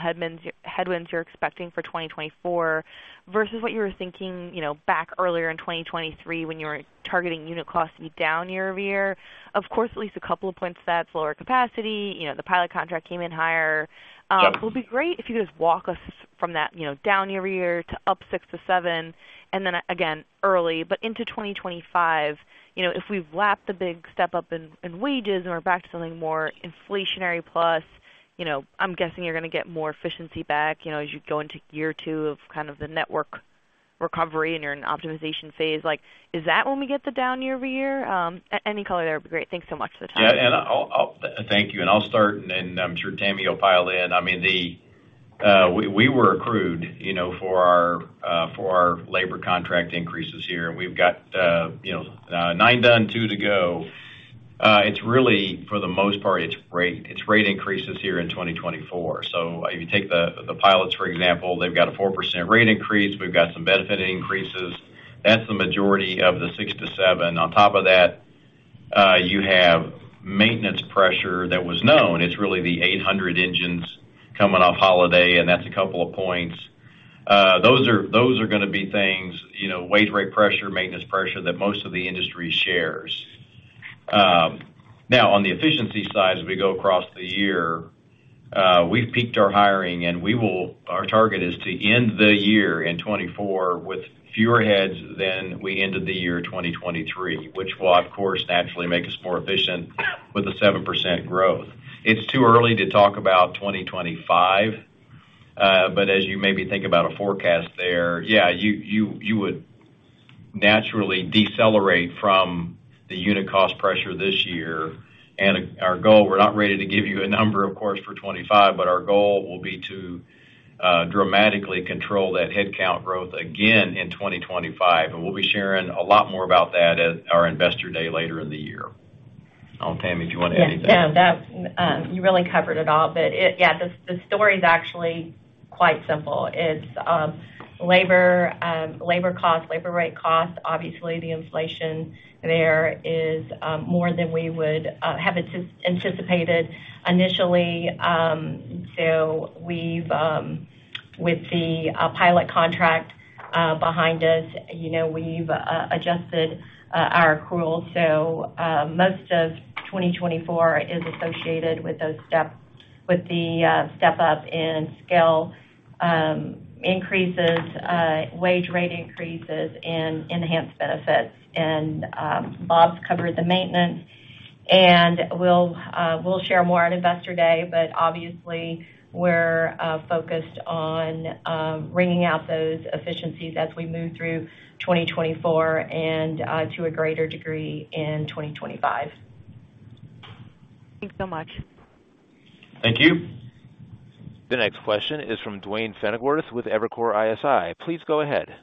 headwinds you're expecting for 2024 versus what you were thinking, you know, back earlier in 2023 when you were targeting unit costs to be down year-over-year? Of course, at least a couple of points to that, it's lower capacity. You know, the pilot contract came in higher. It would be great if you could just walk us from that, you know, down year-over-year to up 6-7 and then again, early, but into 2025, you know, if we've lapped the big step up in, in wages and we're back to something more inflationary plus, you know, I'm guessing you're gonna get more efficiency back, you know, as you go into year two of kind of the network recovery and you're in an optimization phase. Like, is that when we get the down year-over-year? Any color there would be great. Thanks so much for the time. Thank you and I'll start and then I'm sure Tammy will pile in. I mean, we were accrued, you know, for our labor contract increases here. We've got 9 done, 2 to go. It's really, for the most part, it's rate increases here in 2024. So if you take the pilots, for example, they've got a 4% rate increase. We've got some benefiting increases. That's the majority of the 6-7. On top of that, you have maintenance pressure that was known. It's really the 800 engines coming off holiday and that's a couple of points. Those are gonna be things, you know, wage rate pressure, maintenance pressure that most of the industry shares. Now, on the efficiency side, as we go across the year, we've peaked our hiring and we will, our target is to end the year in 2024 with fewer heads than we ended the year 2023, which will of course naturally make us more efficient with a 7% growth. It's too early to talk about 2025, but as you maybe think about a forecast there, you would naturally decelerate from the unit cost pressure this year and our goal... We're not ready to give you a number, of course, for 25, but our goal will be to dramatically control that headcount growth again in 2025 and we'll be sharing a lot more about that at our Investor Day later in the year. I don't know, Tammy, if you want to add anything. No, that you really covered it all. The story is actually quite simple. It's labor, labor cost, labor rate cost. Obviously, the inflation there is more than we would have anticipated initially. With the pilot contract behind us, you know, we've adjusted our accrual. So most of 2024 is associated with those step up in scale increases, wage rate increases and enhanced benefits and Bob's covered the maintenance and we'll share more at Investor Day, but obviously, we're focused on wringing out those efficiencies as we move through 2024 and to a greater degree in 2025. Thanks so much. Thank you. The next question is from Duane Pfennigwerth with Evercore ISI. Please go ahead.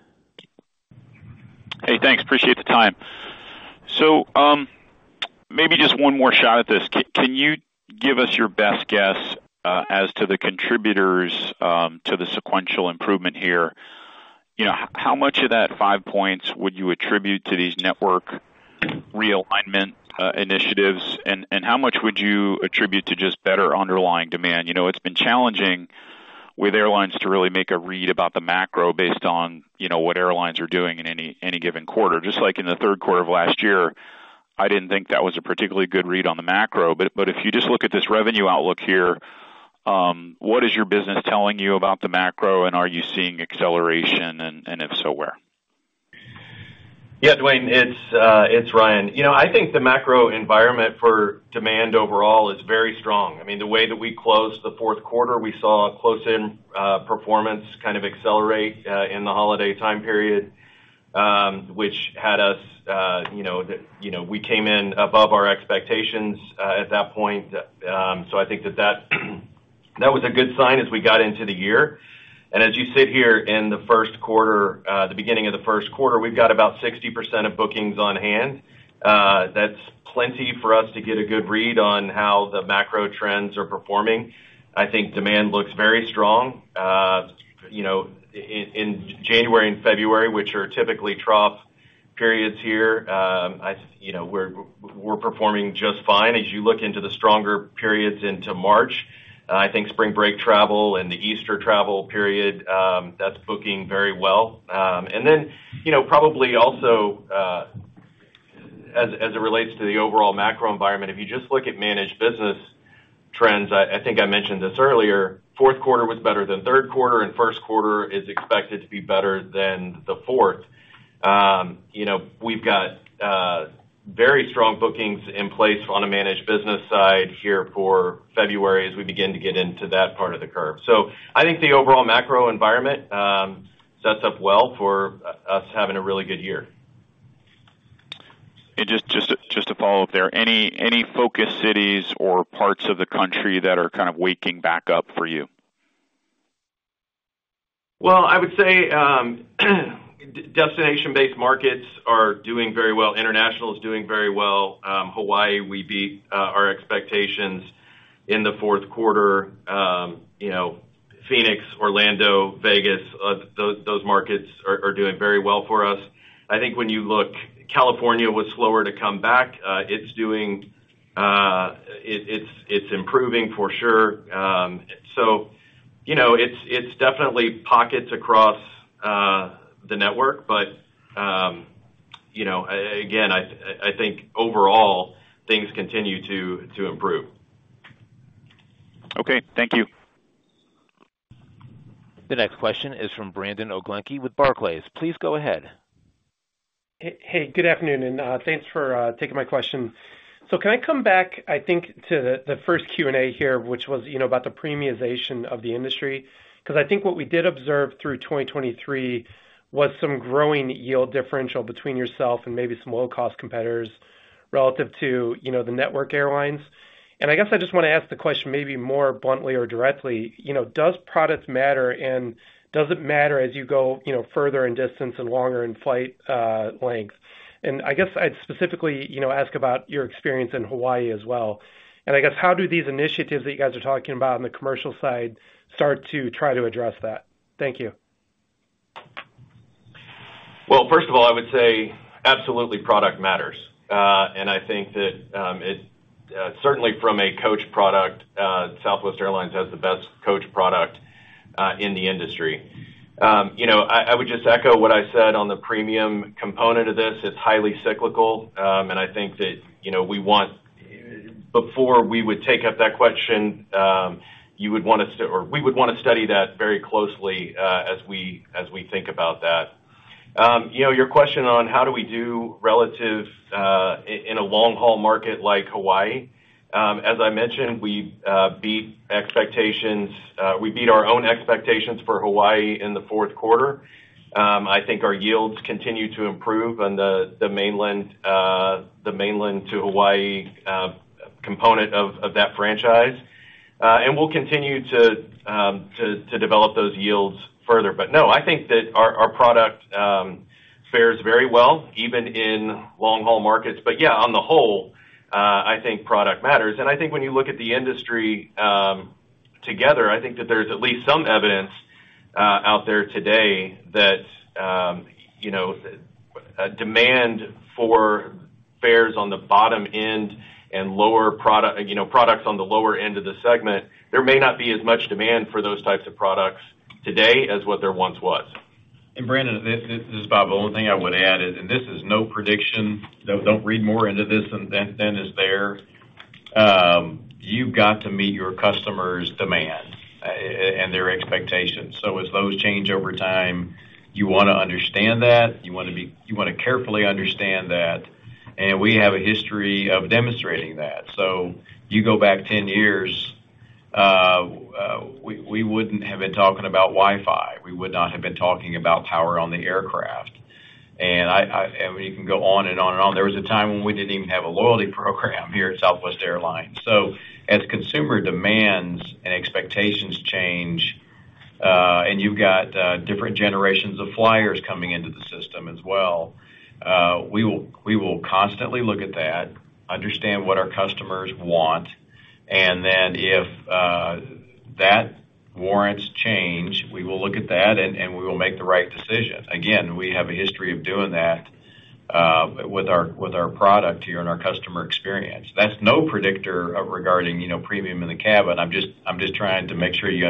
Thanks. Appreciate the time. So, maybe just one more shot at this. Can you give us your best guess, as to the contributors, to the sequential improvement here? You know, how much of that 5 points would you attribute to these network realignment, and and how much would you attribute to just better underlying demand? You know, it's been challenging with airlines to really make a read about the macro based on, you know, what airlines are doing in any, any given quarter. Just like in the third quarter of last year, I didn't think that was a particularly good read on the macro, but, but if you just look at this revenue outlook here, what is your business telling you about the macro? And are you seeing and and if so, where? Duane, It's Ryan. the macro environment for demand overall is very strong. The way that we closed the fourth quarter, we saw a close-in performance kind of accelerate in the holiday time period, which had us, you know, you know, we came in above our expectations at that point. That was a good sign as we got into the year and as you sit here in the first quarter, the beginning of the first quarter, we've got about 60% of bookings on hand. That's plenty for us to get a good read on how the macro trends are performing. Demand looks very strong. In January and February, which are typically trough periods here, you know, we're performing just fine. As you look into the stronger periods into March, Spring break travel and the Easter travel period, that's booking very well and then, you know, probably also, as it relates to the overall macro environment, if you just look at managed business trends, I mentioned this earlier, fourth quarter was better than third quarter and first quarter is expected to be better than the fourth. You know, we've got very strong bookings in place on a managed business side here for February as we begin to get into that part of the curve. The overall macro environment sets up well for us having a really good year. Just to follow up there, any focus cities or parts of the country that are kind of waking back up for you? I would say destination-based markets are doing very well. International is doing very well. Hawaii, we beat our expectations in the fourth quarter. You know, Phoenix, Orlando, Vegas, those markets are doing very well for us. When you look, California was slower to come back, it's doing... It's improving for sure. So you know, it's definitely pockets across the network, but, you know, again, Overall, things continue to improve. Thank you. The next question is from Brandon Oglenski with Barclays. Please go ahead. Good afternoon and thanks for taking my question. Can I come back to the first Q&A here, which was, you know, about the premiumization of the industry? Because what we did observe through 2023 was some growing yield differential between yourself and maybe some low-cost competitors relative to, you know, the network airlines and I guess I just wanna ask the question maybe more bluntly or directly, you know, does products matter and does it matter as you go, you know, further in distance and longer in flight length? And I'd specifically, you know, ask about your experience in Hawaii as well and I guess, how do these initiatives that you guys are talking about on the commercial side start to try to address that? Thank you. First of all, I would say absolutely, product matters and that certainly from a coach product, Southwest Airlines has the best coach product in the industry. You know, I would just echo what I said on the premium component of this, it's highly cyclical and Before we would take up that question, we would wanna study that very closely, as we think about that. Your question on how do we do relative in a long-haul market like Hawaii? As I mentioned, we beat expectations, we beat our own expectations for Hawaii in the fourth quarter. Our yields continue to improve on the mainland to Hawaii component of that franchise and we'll continue to develop those yields further. No, that our product fares very well, even in long-haul markets. On the whole, product matters and when you look at the industry together, that there's at least some evidence out there today that, you know, a demand for fares on the bottom end and lower product, you know, products on the lower end of the segment, there may not be as much demand for those types of products today as what there once was. Brandon, this is Bob. The only thing I would add and this is no prediction, so don't read more into this than is there. You've got to meet your customer's demand and their expectations. So as those change over time, you wanna understand that, you wanna carefully understand that and we have a history of demonstrating that. So you go back 10 years, we wouldn't have been talking about Wi-Fi, we would not have been talking about power on the aircraft and we can go on and on and on. There was a time when we didn't even have a loyalty program here at Southwest Airlines. As consumer demands and expectations change and you've got, different generations of flyers coming into the system as well, we will, we will constantly look at that, understand what our customers want and then if, that warrants change, we will look at and and we will make the right decision. Again, we have a history of doing that, with our, with our product here and our customer experience. That's no predictor, regarding, you know, premium in the cabin. I'm just, I'm just trying to make sure you,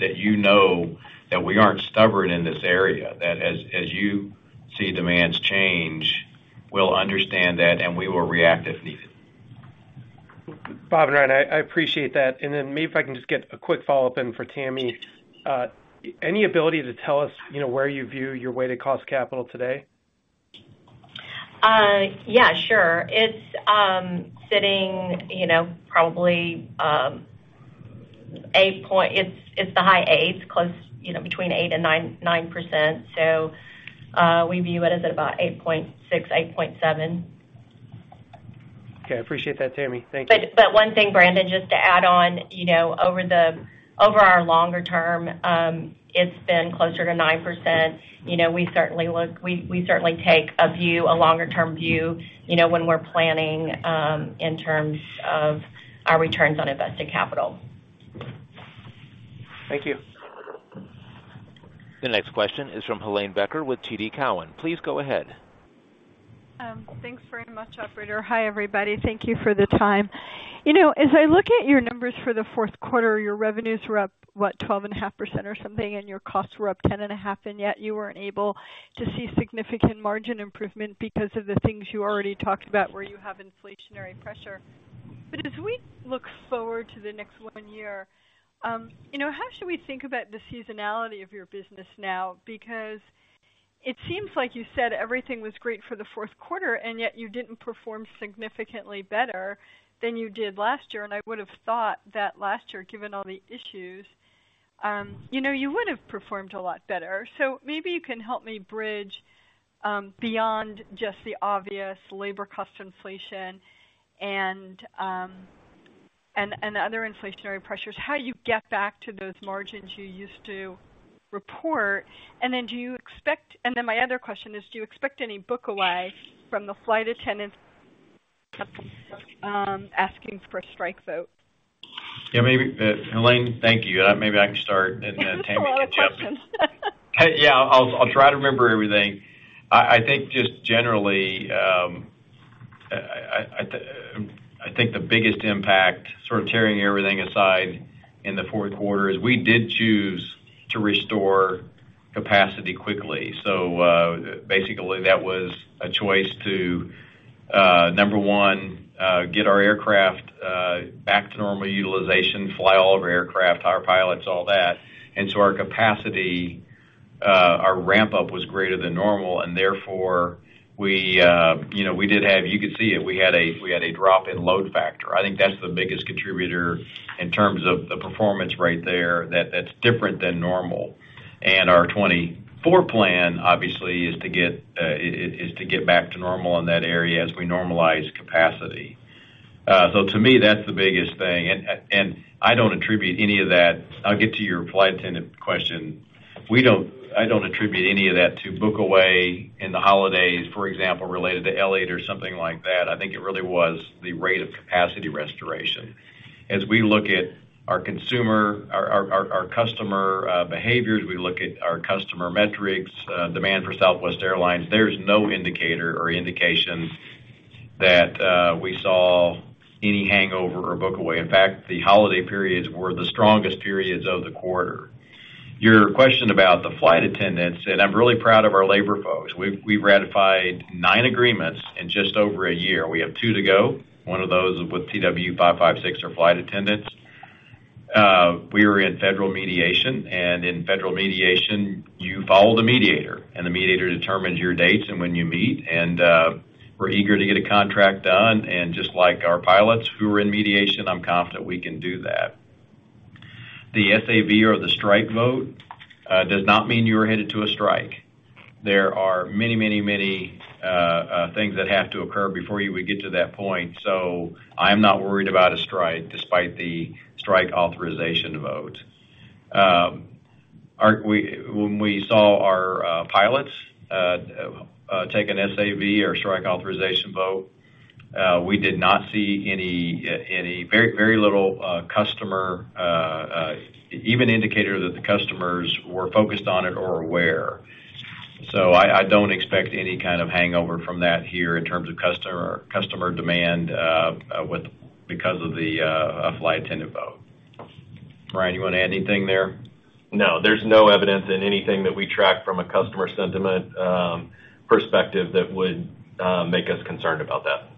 that you know that we aren't stubborn in this area. That as you see demands change, we'll understand that and we will react if needed. Bob and Ryan, I appreciate that. Then maybe if I can just get a quick follow-up in for Tammy. Any ability to tell us, you know, where you view your weighted cost capital today? Sure. It's sitting, you know, probably the high eights, close, you know, between 8% and 9%. So, we view it as about 8.6%, 8.7%. I appreciate that, Tammy. Thank you. One thing, Brandon, just to add on, you know, over our longer term, it's been closer to 9%. You know, we certainly take a view, a longer-term view, you know, when we're planning, in terms of our returns on invested capital. Thank you. The next question is from Helane Becker with TD Cowen. Please go ahead. Thanks very much, operator. Hi, everybody. Thank you for the time. You know, as I look at your numbers for the fourth quarter, your revenues were up, what? 12.5% or something and your costs were up 10.5% and yet you weren't able to see significant margin improvement because of the things you already talked about, where you have inflationary pressure. But as we look forward to the next one year, you know, how should we think about the seasonality of your business now? Because it seems like you said everything was great for the fourth quarter and yet you didn't perform significantly better than you did last year and I would have thought that last year, given all the issues, you would have performed a lot better. You can help me bridge beyond just the obvious labor cost inflation and other inflationary pressures, how you get back to those margins you used to report and then my other question is do you expect any pushback from the flight attendants asking for a strike vote? Helane, thank you. I can start and then Tammy can jump in. I'll try to remember everything. Just generally, The biggest impact, sort of tearing everything aside in the fourth quarter, is we did choose to restore capacity quickly. So, basically, that was a choice to, number one, get our aircraft back to normal utilization, fly all of our aircraft, our pilots, all that and so our capacity, our ramp-up was greater than normal and therefore, we, you know, we did have... You could see it, we had a drop in load factor. That's the biggest contributor in terms of the performance right there, that's different than normal. Our 2024 plan is to get back to normal in that area as we normalize capacity. To me, that's the biggest thing and I don't attribute any of that. I'll get to your flight attendant question. I don't attribute any of that to book away in the holidays, for example, related to Elliott or something like that. It really was the rate of capacity restoration. As we look at our consumer, our customer behaviors, we look at our customer metrics, demand for Southwest Airlines, there's no indicator or indication that we saw any hangover or book away. In fact, the holiday periods were the strongest periods of the quarter. Your question about the flight attendants and I'm really proud of our labor folks. We've ratified nine agreements in just over a year. We have two to go. One of those is with TWU 556, our flight attendants. We are in federal mediation and in federal mediation, you follow the mediator and the mediator determines your dates and when you meet and we're eager to get a contract done and just like our pilots who are in mediation, I'm confident we can do that. The SAV or the strike vote does not mean you are headed to a strike. There are many, many, many things that have to occur before you would get to that point, so I'm not worried about a strike despite the strike authorization vote. We, when we saw our pilots take an SAV or strike authorization vote, we did not see any, any... Very little customer even indicator that the customers were focused on it or aware. So I, I don't expect any kind of hangover from that here in terms of customer, customer demand, with, because of the flight attendant vote. Ryan, you wanna add anything there? No, there's no evidence in anything that we track from a customer sentiment perspective that would make us concerned about that.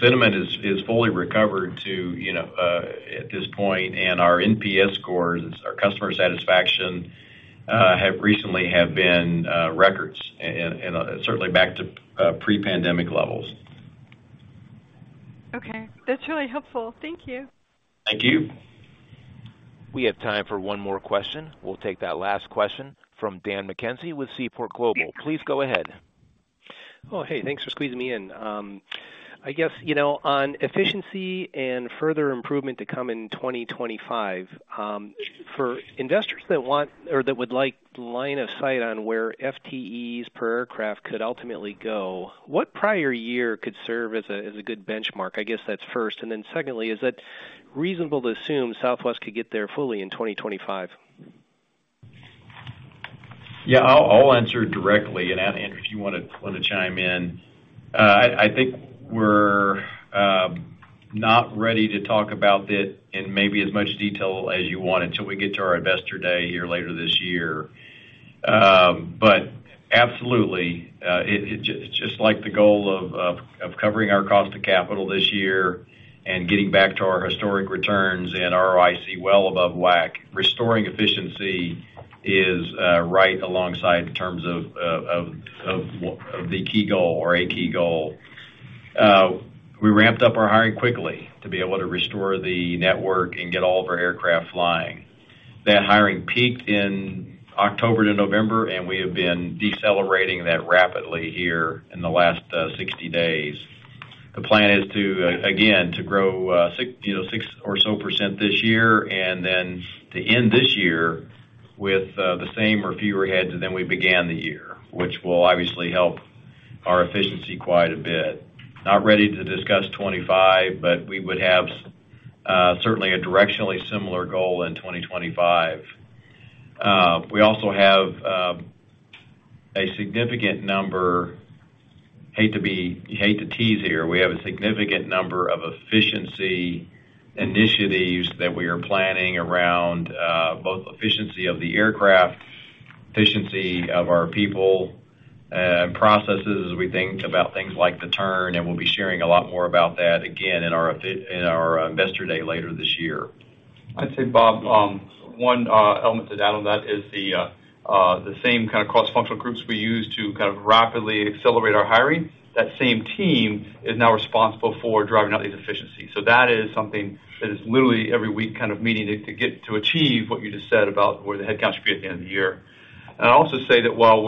Sentiment is fully recovered to, you know, at this point and our NPS scores, our customer satisfaction, have recently been records and certainly back to pre-pandemic levels. That's really helpful. Thank you. Thank you. We have time for one more question. We'll take that last question from Dan McKenzie with Seaport Global. Please go ahead. Thanks for squeezing me in. On efficiency and further improvement to come in 2025 for investors that want or that would like line of sight on where FTEs per aircraft could ultimately go, what prior year could serve as a good benchmark? I guess that's first and then secondly, is it reasonable to assume Southwest could get there fully in 2025? I'll answer directly and if you wanna chime in. We're not ready to talk about it in maybe as much detail as you want until we get to our Investor Day here later this year. But absolutely, it just like the goal of covering our cost of capital this year and getting back to our historic returns and ROIC well above WACC, restoring efficiency is right alongside in terms of the key goal or a key goal. We ramped up our hiring quickly to be able to restore the network and get all of our aircraft flying. That hiring peaked in October to November and we have been decelerating that rapidly here in the last 60 days. The plan is to grow 6% or so this year and then to end this year with the same or fewer heads than we began the year which will obviously help our efficiency quite a bit. Not ready to discuss 25 but we would have certainly a directionally similar goal in 2025. We also have a significant number, I hate to tease here. We have a significant number of efficiency initiatives that we are planning around both efficiency of the aircraft, efficiency of our people and processes, as we think about things like the turn and we'll be sharing a lot more about that again in our Investor Day later this year. I'd say, Bob, one element to add on that is the same kind of cross-functional groups we use to kind of rapidly accelerate our hiring. That same team is now responsible for driving out these efficiencies. So that is something that is literally every week kind of meeting to get to achieve what you just said about where the head count should be at the end of the year and I'd also say that while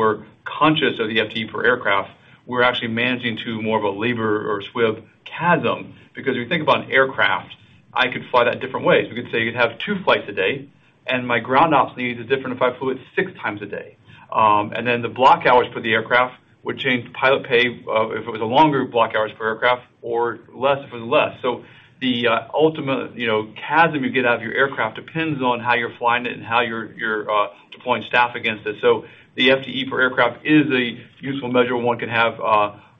we're conscious of the FTE per aircraft, we're actually managing to more of a labor or SWIF CASM, because if you think about an aircraft, I could fly that different ways. We could say you'd have two flights a day and my ground ops needs are different if I flew it six times a day. Then the block hours for the aircraft would change the pilot pay, if it was a longer block hours per aircraft or less if it was less. So the ultimate, you know, CASM you get out of your aircraft depends on how you're flying it and how you're deploying staff against it. The FTE per aircraft is a useful measure one can have,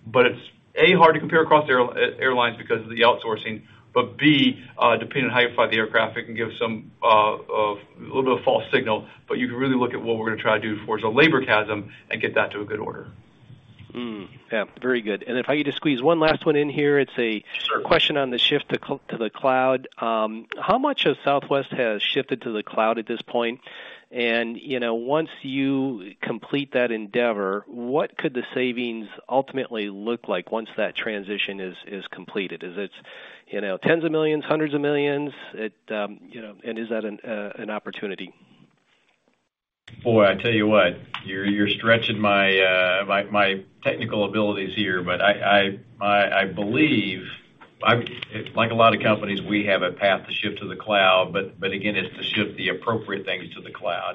but it's hard to compare across airlines because of the outsourcing, but, B, depending on how you fly the aircraft, it can give some a little bit of false signal, but you can really look at what we're gonna try to do for as a labor CASM and get that to a good order. Very good and if I need to squeeze one last one in here, it's a Question on the shift to the cloud. How much of Southwest has shifted to the cloud at this point? And, you know, once you complete that endeavor, what could the savings ultimately look like once that transition is completed? Is it, you know, $10s of millions, $100s of millions? It, you know and is that an opportunity? Boy, I tell you what, you're stretching my technical abilities here, but I believe, like a lot of companies, we have a path to shift to the cloud, but again, it's to shift the appropriate things to the cloud.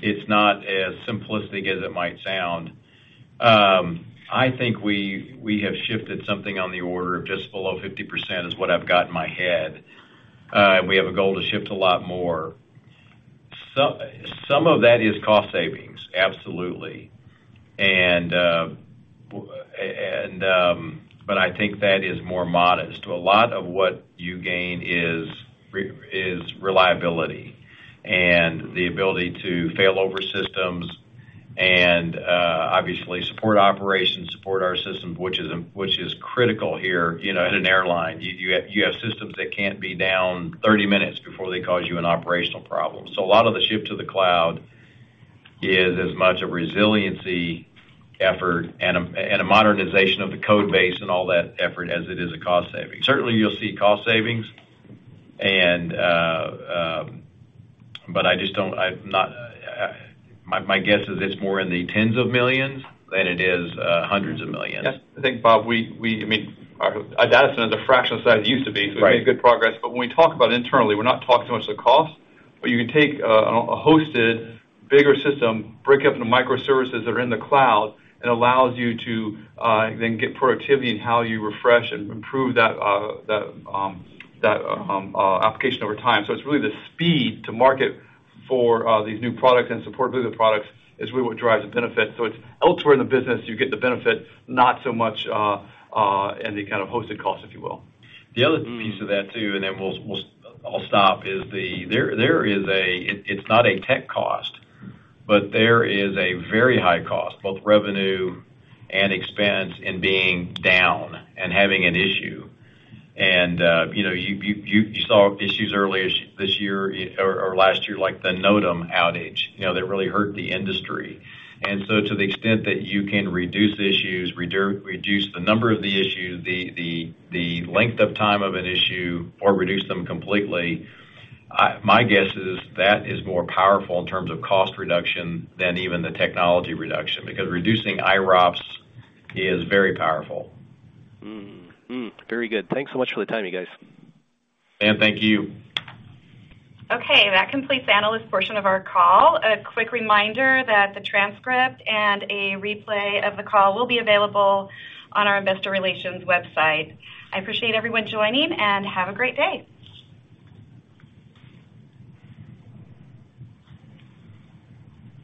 It's not as simplistic as it might sound. We have shifted something on the order of just below 50% is what I've got in my head and we have a goal to shift a lot more. Some of that is cost savings, absolutely and that is more modest. A lot of what you gain is reliability and the ability to fail over systems and obviously, support operations, support our systems, which is critical here, you know, at an airline. You have systems that can't be down 30 minutes before they cause you an operational problem. So a lot of the shift to the cloud is as much a resiliency effort and a modernization of the code base and all that effort as it is a cost saving. Certainly, you'll see cost savings and but I just don't-- I'm not. My guess is it's more in the $10s of millions than it is $100s of millions. Yes. Bob, that's another fraction of the size it used to be we've made good progress. But when we talk about internally, we're not talking so much the cost, but you can take a hosted, bigger system, break up into microservices that are in the cloud and allows you to then get productivity in how you refresh and improve that application over time. So it's really the speed to market for these new products and support those products is really what drives the benefit. So it's elsewhere in the business, you get the benefit, not so much in the kind of hosted cost, if you will. The other piece of that, too and then we'll. I'll stop, is the. There is a. It's not a tech cost, but there is a very high cost, both revenue and expense, in being down and having an issue and, you know, you saw issues early as this year or last year, like the NOTAM outage, you know, that really hurt the industry and so to the extent that you can reduce issues, reduce the number of the issue, the length of time of an issue, or reduce them completely, my guess is that is more powerful in terms of cost reduction than even the technology reduction, because reducing IROPS is very powerful. Very good. Thanks so much for the time, you guys. Thank you. That completes the analyst portion of our call. A quick reminder that the transcript and a replay of the call will be available on our investor relations website. I appreciate everyone joining and have a great day.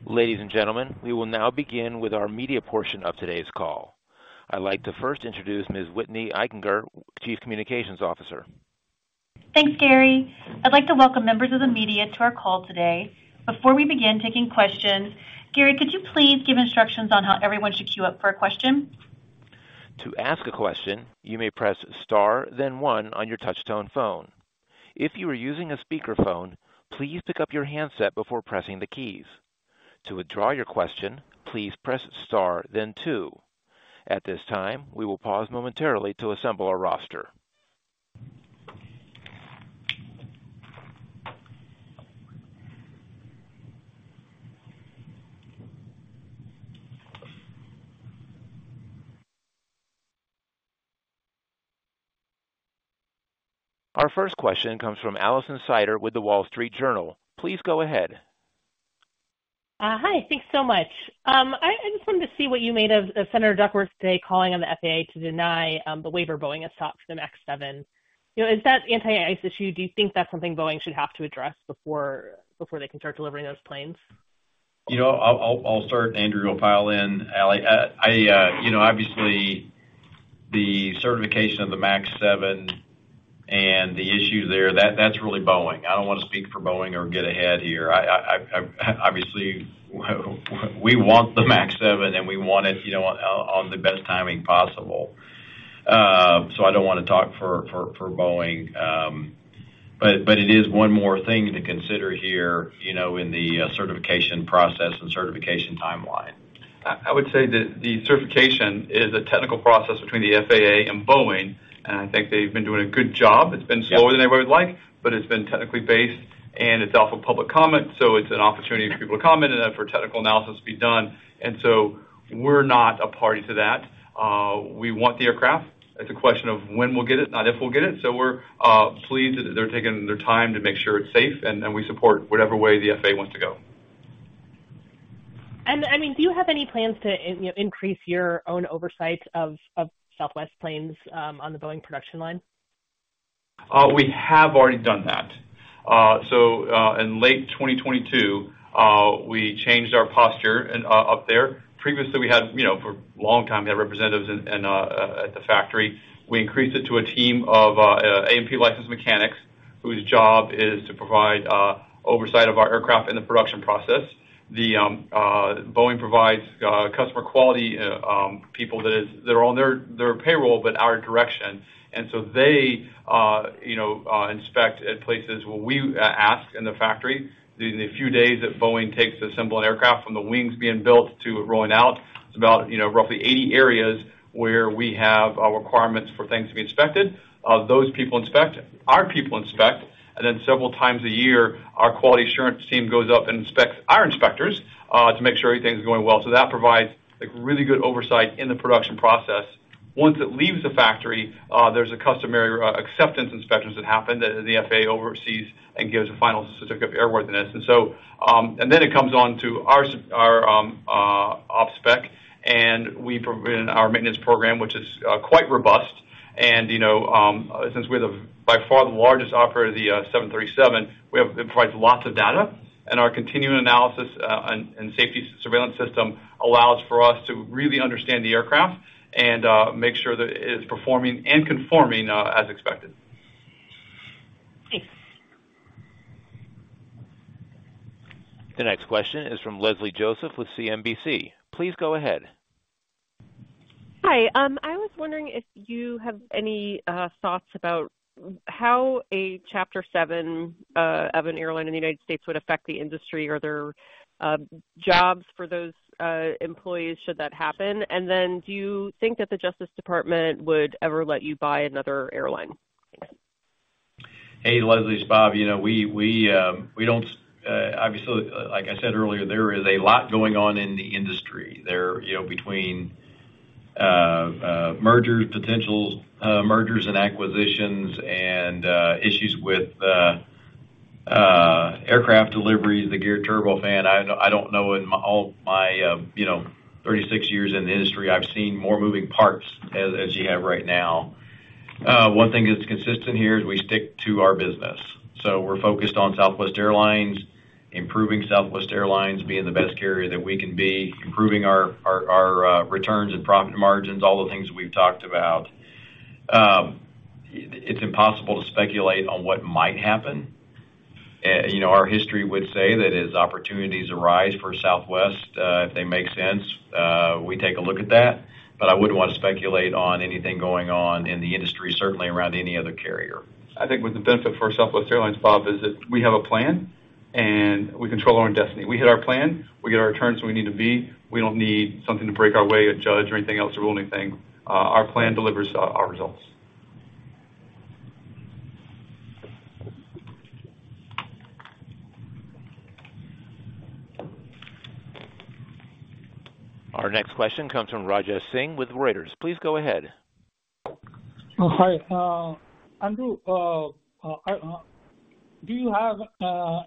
Ladies and gentlemen, we will now begin with our media portion of today's call. I'd like to first introduce Ms. Whitney Eichinger, Chief Communications Officer. Thanks, Gary. I'd like to welcome members of the media to our call today. Before we begin taking questions, Gary, could you please give instructions on how everyone should queue up for a question? To ask a question, you may press Star, then One on your touchtone phone. If you are using a speakerphone, please pick up your handset before pressing the keys. To withdraw your question, please press Star, then Two. At this time, we will pause momentarily to assemble our roster. Our first question comes from Alison Sider with The Wall Street Journal. Please go ahead. Hi, thanks so much. I just wanted to see what you made of Senator Duckworth today, calling on the FAA to deny the waiver Boeing has sought for the MAX 7. You know, is that anti-ice issue, do you think that's something Boeing should have to address before they can start delivering those planes? I'll start and Andrew will pile in. Ally, the certification of the MAX 7 and the issues there, that's really Boeing. I don't want to speak for Boeing or get ahead here. We want the MAX 7 and we want it on the best timing possible. I don't wanna talk for Boeing, but it is one more thing to consider here in the certification process and certification timeline. I would say that the certification is a technical process between the FAA and Boeing and they've been doing a good job. It's been slower than anybody would like, but it's been technically based and it's off of public comment. So it's an opportunity for people to comment and then for technical analysis to be done and so we're not a party to that. We want the aircraft. It's a question of when we'll get it, not if we'll get it. We're pleased that they're taking their time to make sure it's safe and we support whatever way the FAA wants to go. Do you have any plans to, you know, increase your own oversight of Southwest planes on the Boeing production line? We have already done that. In late 2022, we changed our posture and up there. Previously, we had for a long time, we had representatives in at the factory. We increased it to a team of A&P licensed mechanics, whose job is to provide oversight of our aircraft in the production process. Boeing provides customer quality people that is- they're on their payroll, but our direction and so they, you know, inspect at places where we ask in the factory. The few days that Boeing takes to assemble an aircraft from the wings being built to it rolling out, it's about roughly 80 areas where we have requirements for things to be inspected. Those people inspect, our people inspect and then several times a year, our quality assurance team goes up and inspects our inspectors to make sure everything's going well. So that provides, like, really good oversight in the production process. Once it leaves the factory, there's a customary acceptance inspections that happen that the FAA oversees and gives a final certificate of airworthiness and then it comes on to our OpSpec and we provide our maintenance program, which is quite robust and, you know, since we're by far the largest operator of the 737, we have, it provides lots of data and our continuing analysis and safety surveillance system allows for us to really understand the aircraft and make sure that it is performing and conforming as expected. Thanks. The next question is from Leslie Josephs with CNBC. Please go ahead. Hi. I was wondering if you have any thoughts about how a Chapter 7 of an airline in the United States would affect the industry. Are there jobs for those employees, should that happen? And then do you think that the Justice Department would ever let you buy another airline? Leslie, it's Bob. We don't like I said earlier, there is a lot going on in the industry. There between mergers, potential mergers and acquisitions and issues with aircraft deliveries, the Geared Turbofan. I don't know, in all my 36 years in the industry, I've seen more moving parts as you have right now. One thing that's consistent here is we stick to our business. So we're focused on Southwest Airlines, improving Southwest Airlines, being the best carrier that we can be, improving our returns and profit margins, all the things we've talked about. It's impossible to speculate on what might happen. Our history would say that as opportunities arise for Southwest, if they make sense, we take a look at that, but I wouldn't want to speculate on anything going on in the industry, certainly around any other carrier. With the benefit for Southwest Airlines, Bob, is that we have a plan and we control our own destiny. We hit our plan, we get our returns where we need to be. We don't need something to break our way, a judge or anything else, to rule anything. Our plan delivers our, our results. Our next question comes from Rajesh Singh with Reuters. Please go ahead. Hi Andrew, do you have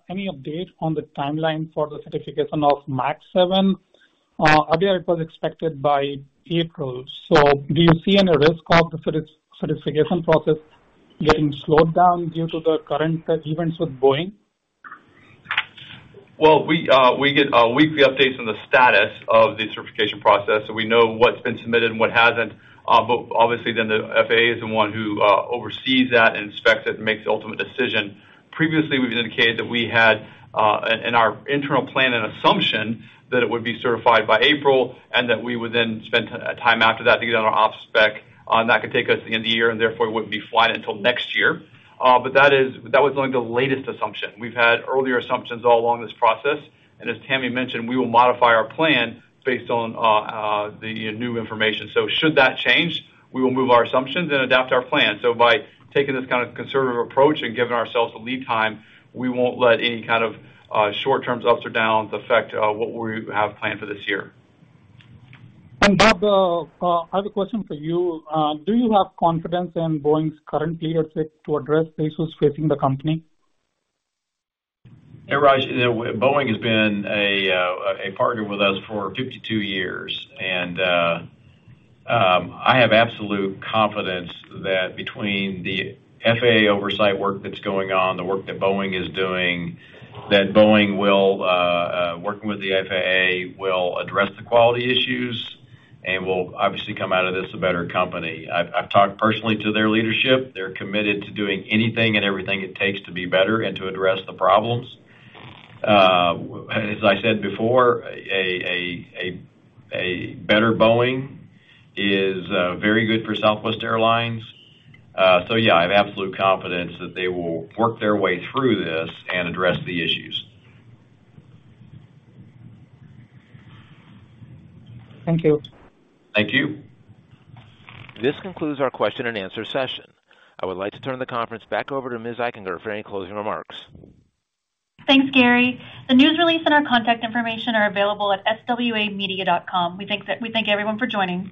any update on the timeline for the certification of MAX 7? Earlier, it was expected by April. So do you see any risk of the certification process getting slowed down due to the current events with Boeing? We get weekly updates on the status of the certification process, we know what's been submitted and what hasn't. But obviously, then the FAA is the one who oversees that and inspects it and makes the ultimate decision. Previously, we've indicated that we had, in our internal plan and assumption, that it would be certified by April and that we would then spend time after that to get on our OpSpec and that could take us into the end of the year and therefore, it wouldn't be flying until next year. But that was only the latest assumption. We've had earlier assumptions all along this process and as Tammy mentioned, we will modify our plan based on the new information. So should that change, we will move our assumptions and adapt our plan. By taking this kind of conservative approach and giving ourselves a lead time, we won't let any kind of short-term ups or downs affect what we have planned for this year. Bob, I have a question for you. Do you have confidence in Boeing's current leadership to address the issues facing the company? Raj, Boeing has been a partner with us for 52 years and I have absolute confidence that between the FAA oversight work that's going on, the work that Boeing is doing, that Boeing will working with the FAA will address the quality issues and will obviously come out of this a better company. I've talked personally to their leadership. They're committed to doing anything and everything it takes to be better and to address the problems. As I said before, a better Boeing is very good for Southwest Airlines. I have absolute confidence that they will work their way through this and address the issues. Thank you. Thank you. This concludes our question-and-answer session. I would like to turn the conference back over to Ms. Eichinger for any closing remarks. Thanks, Gary. The news release and our contact information are available at swamedia.com. We thank everyone for joining.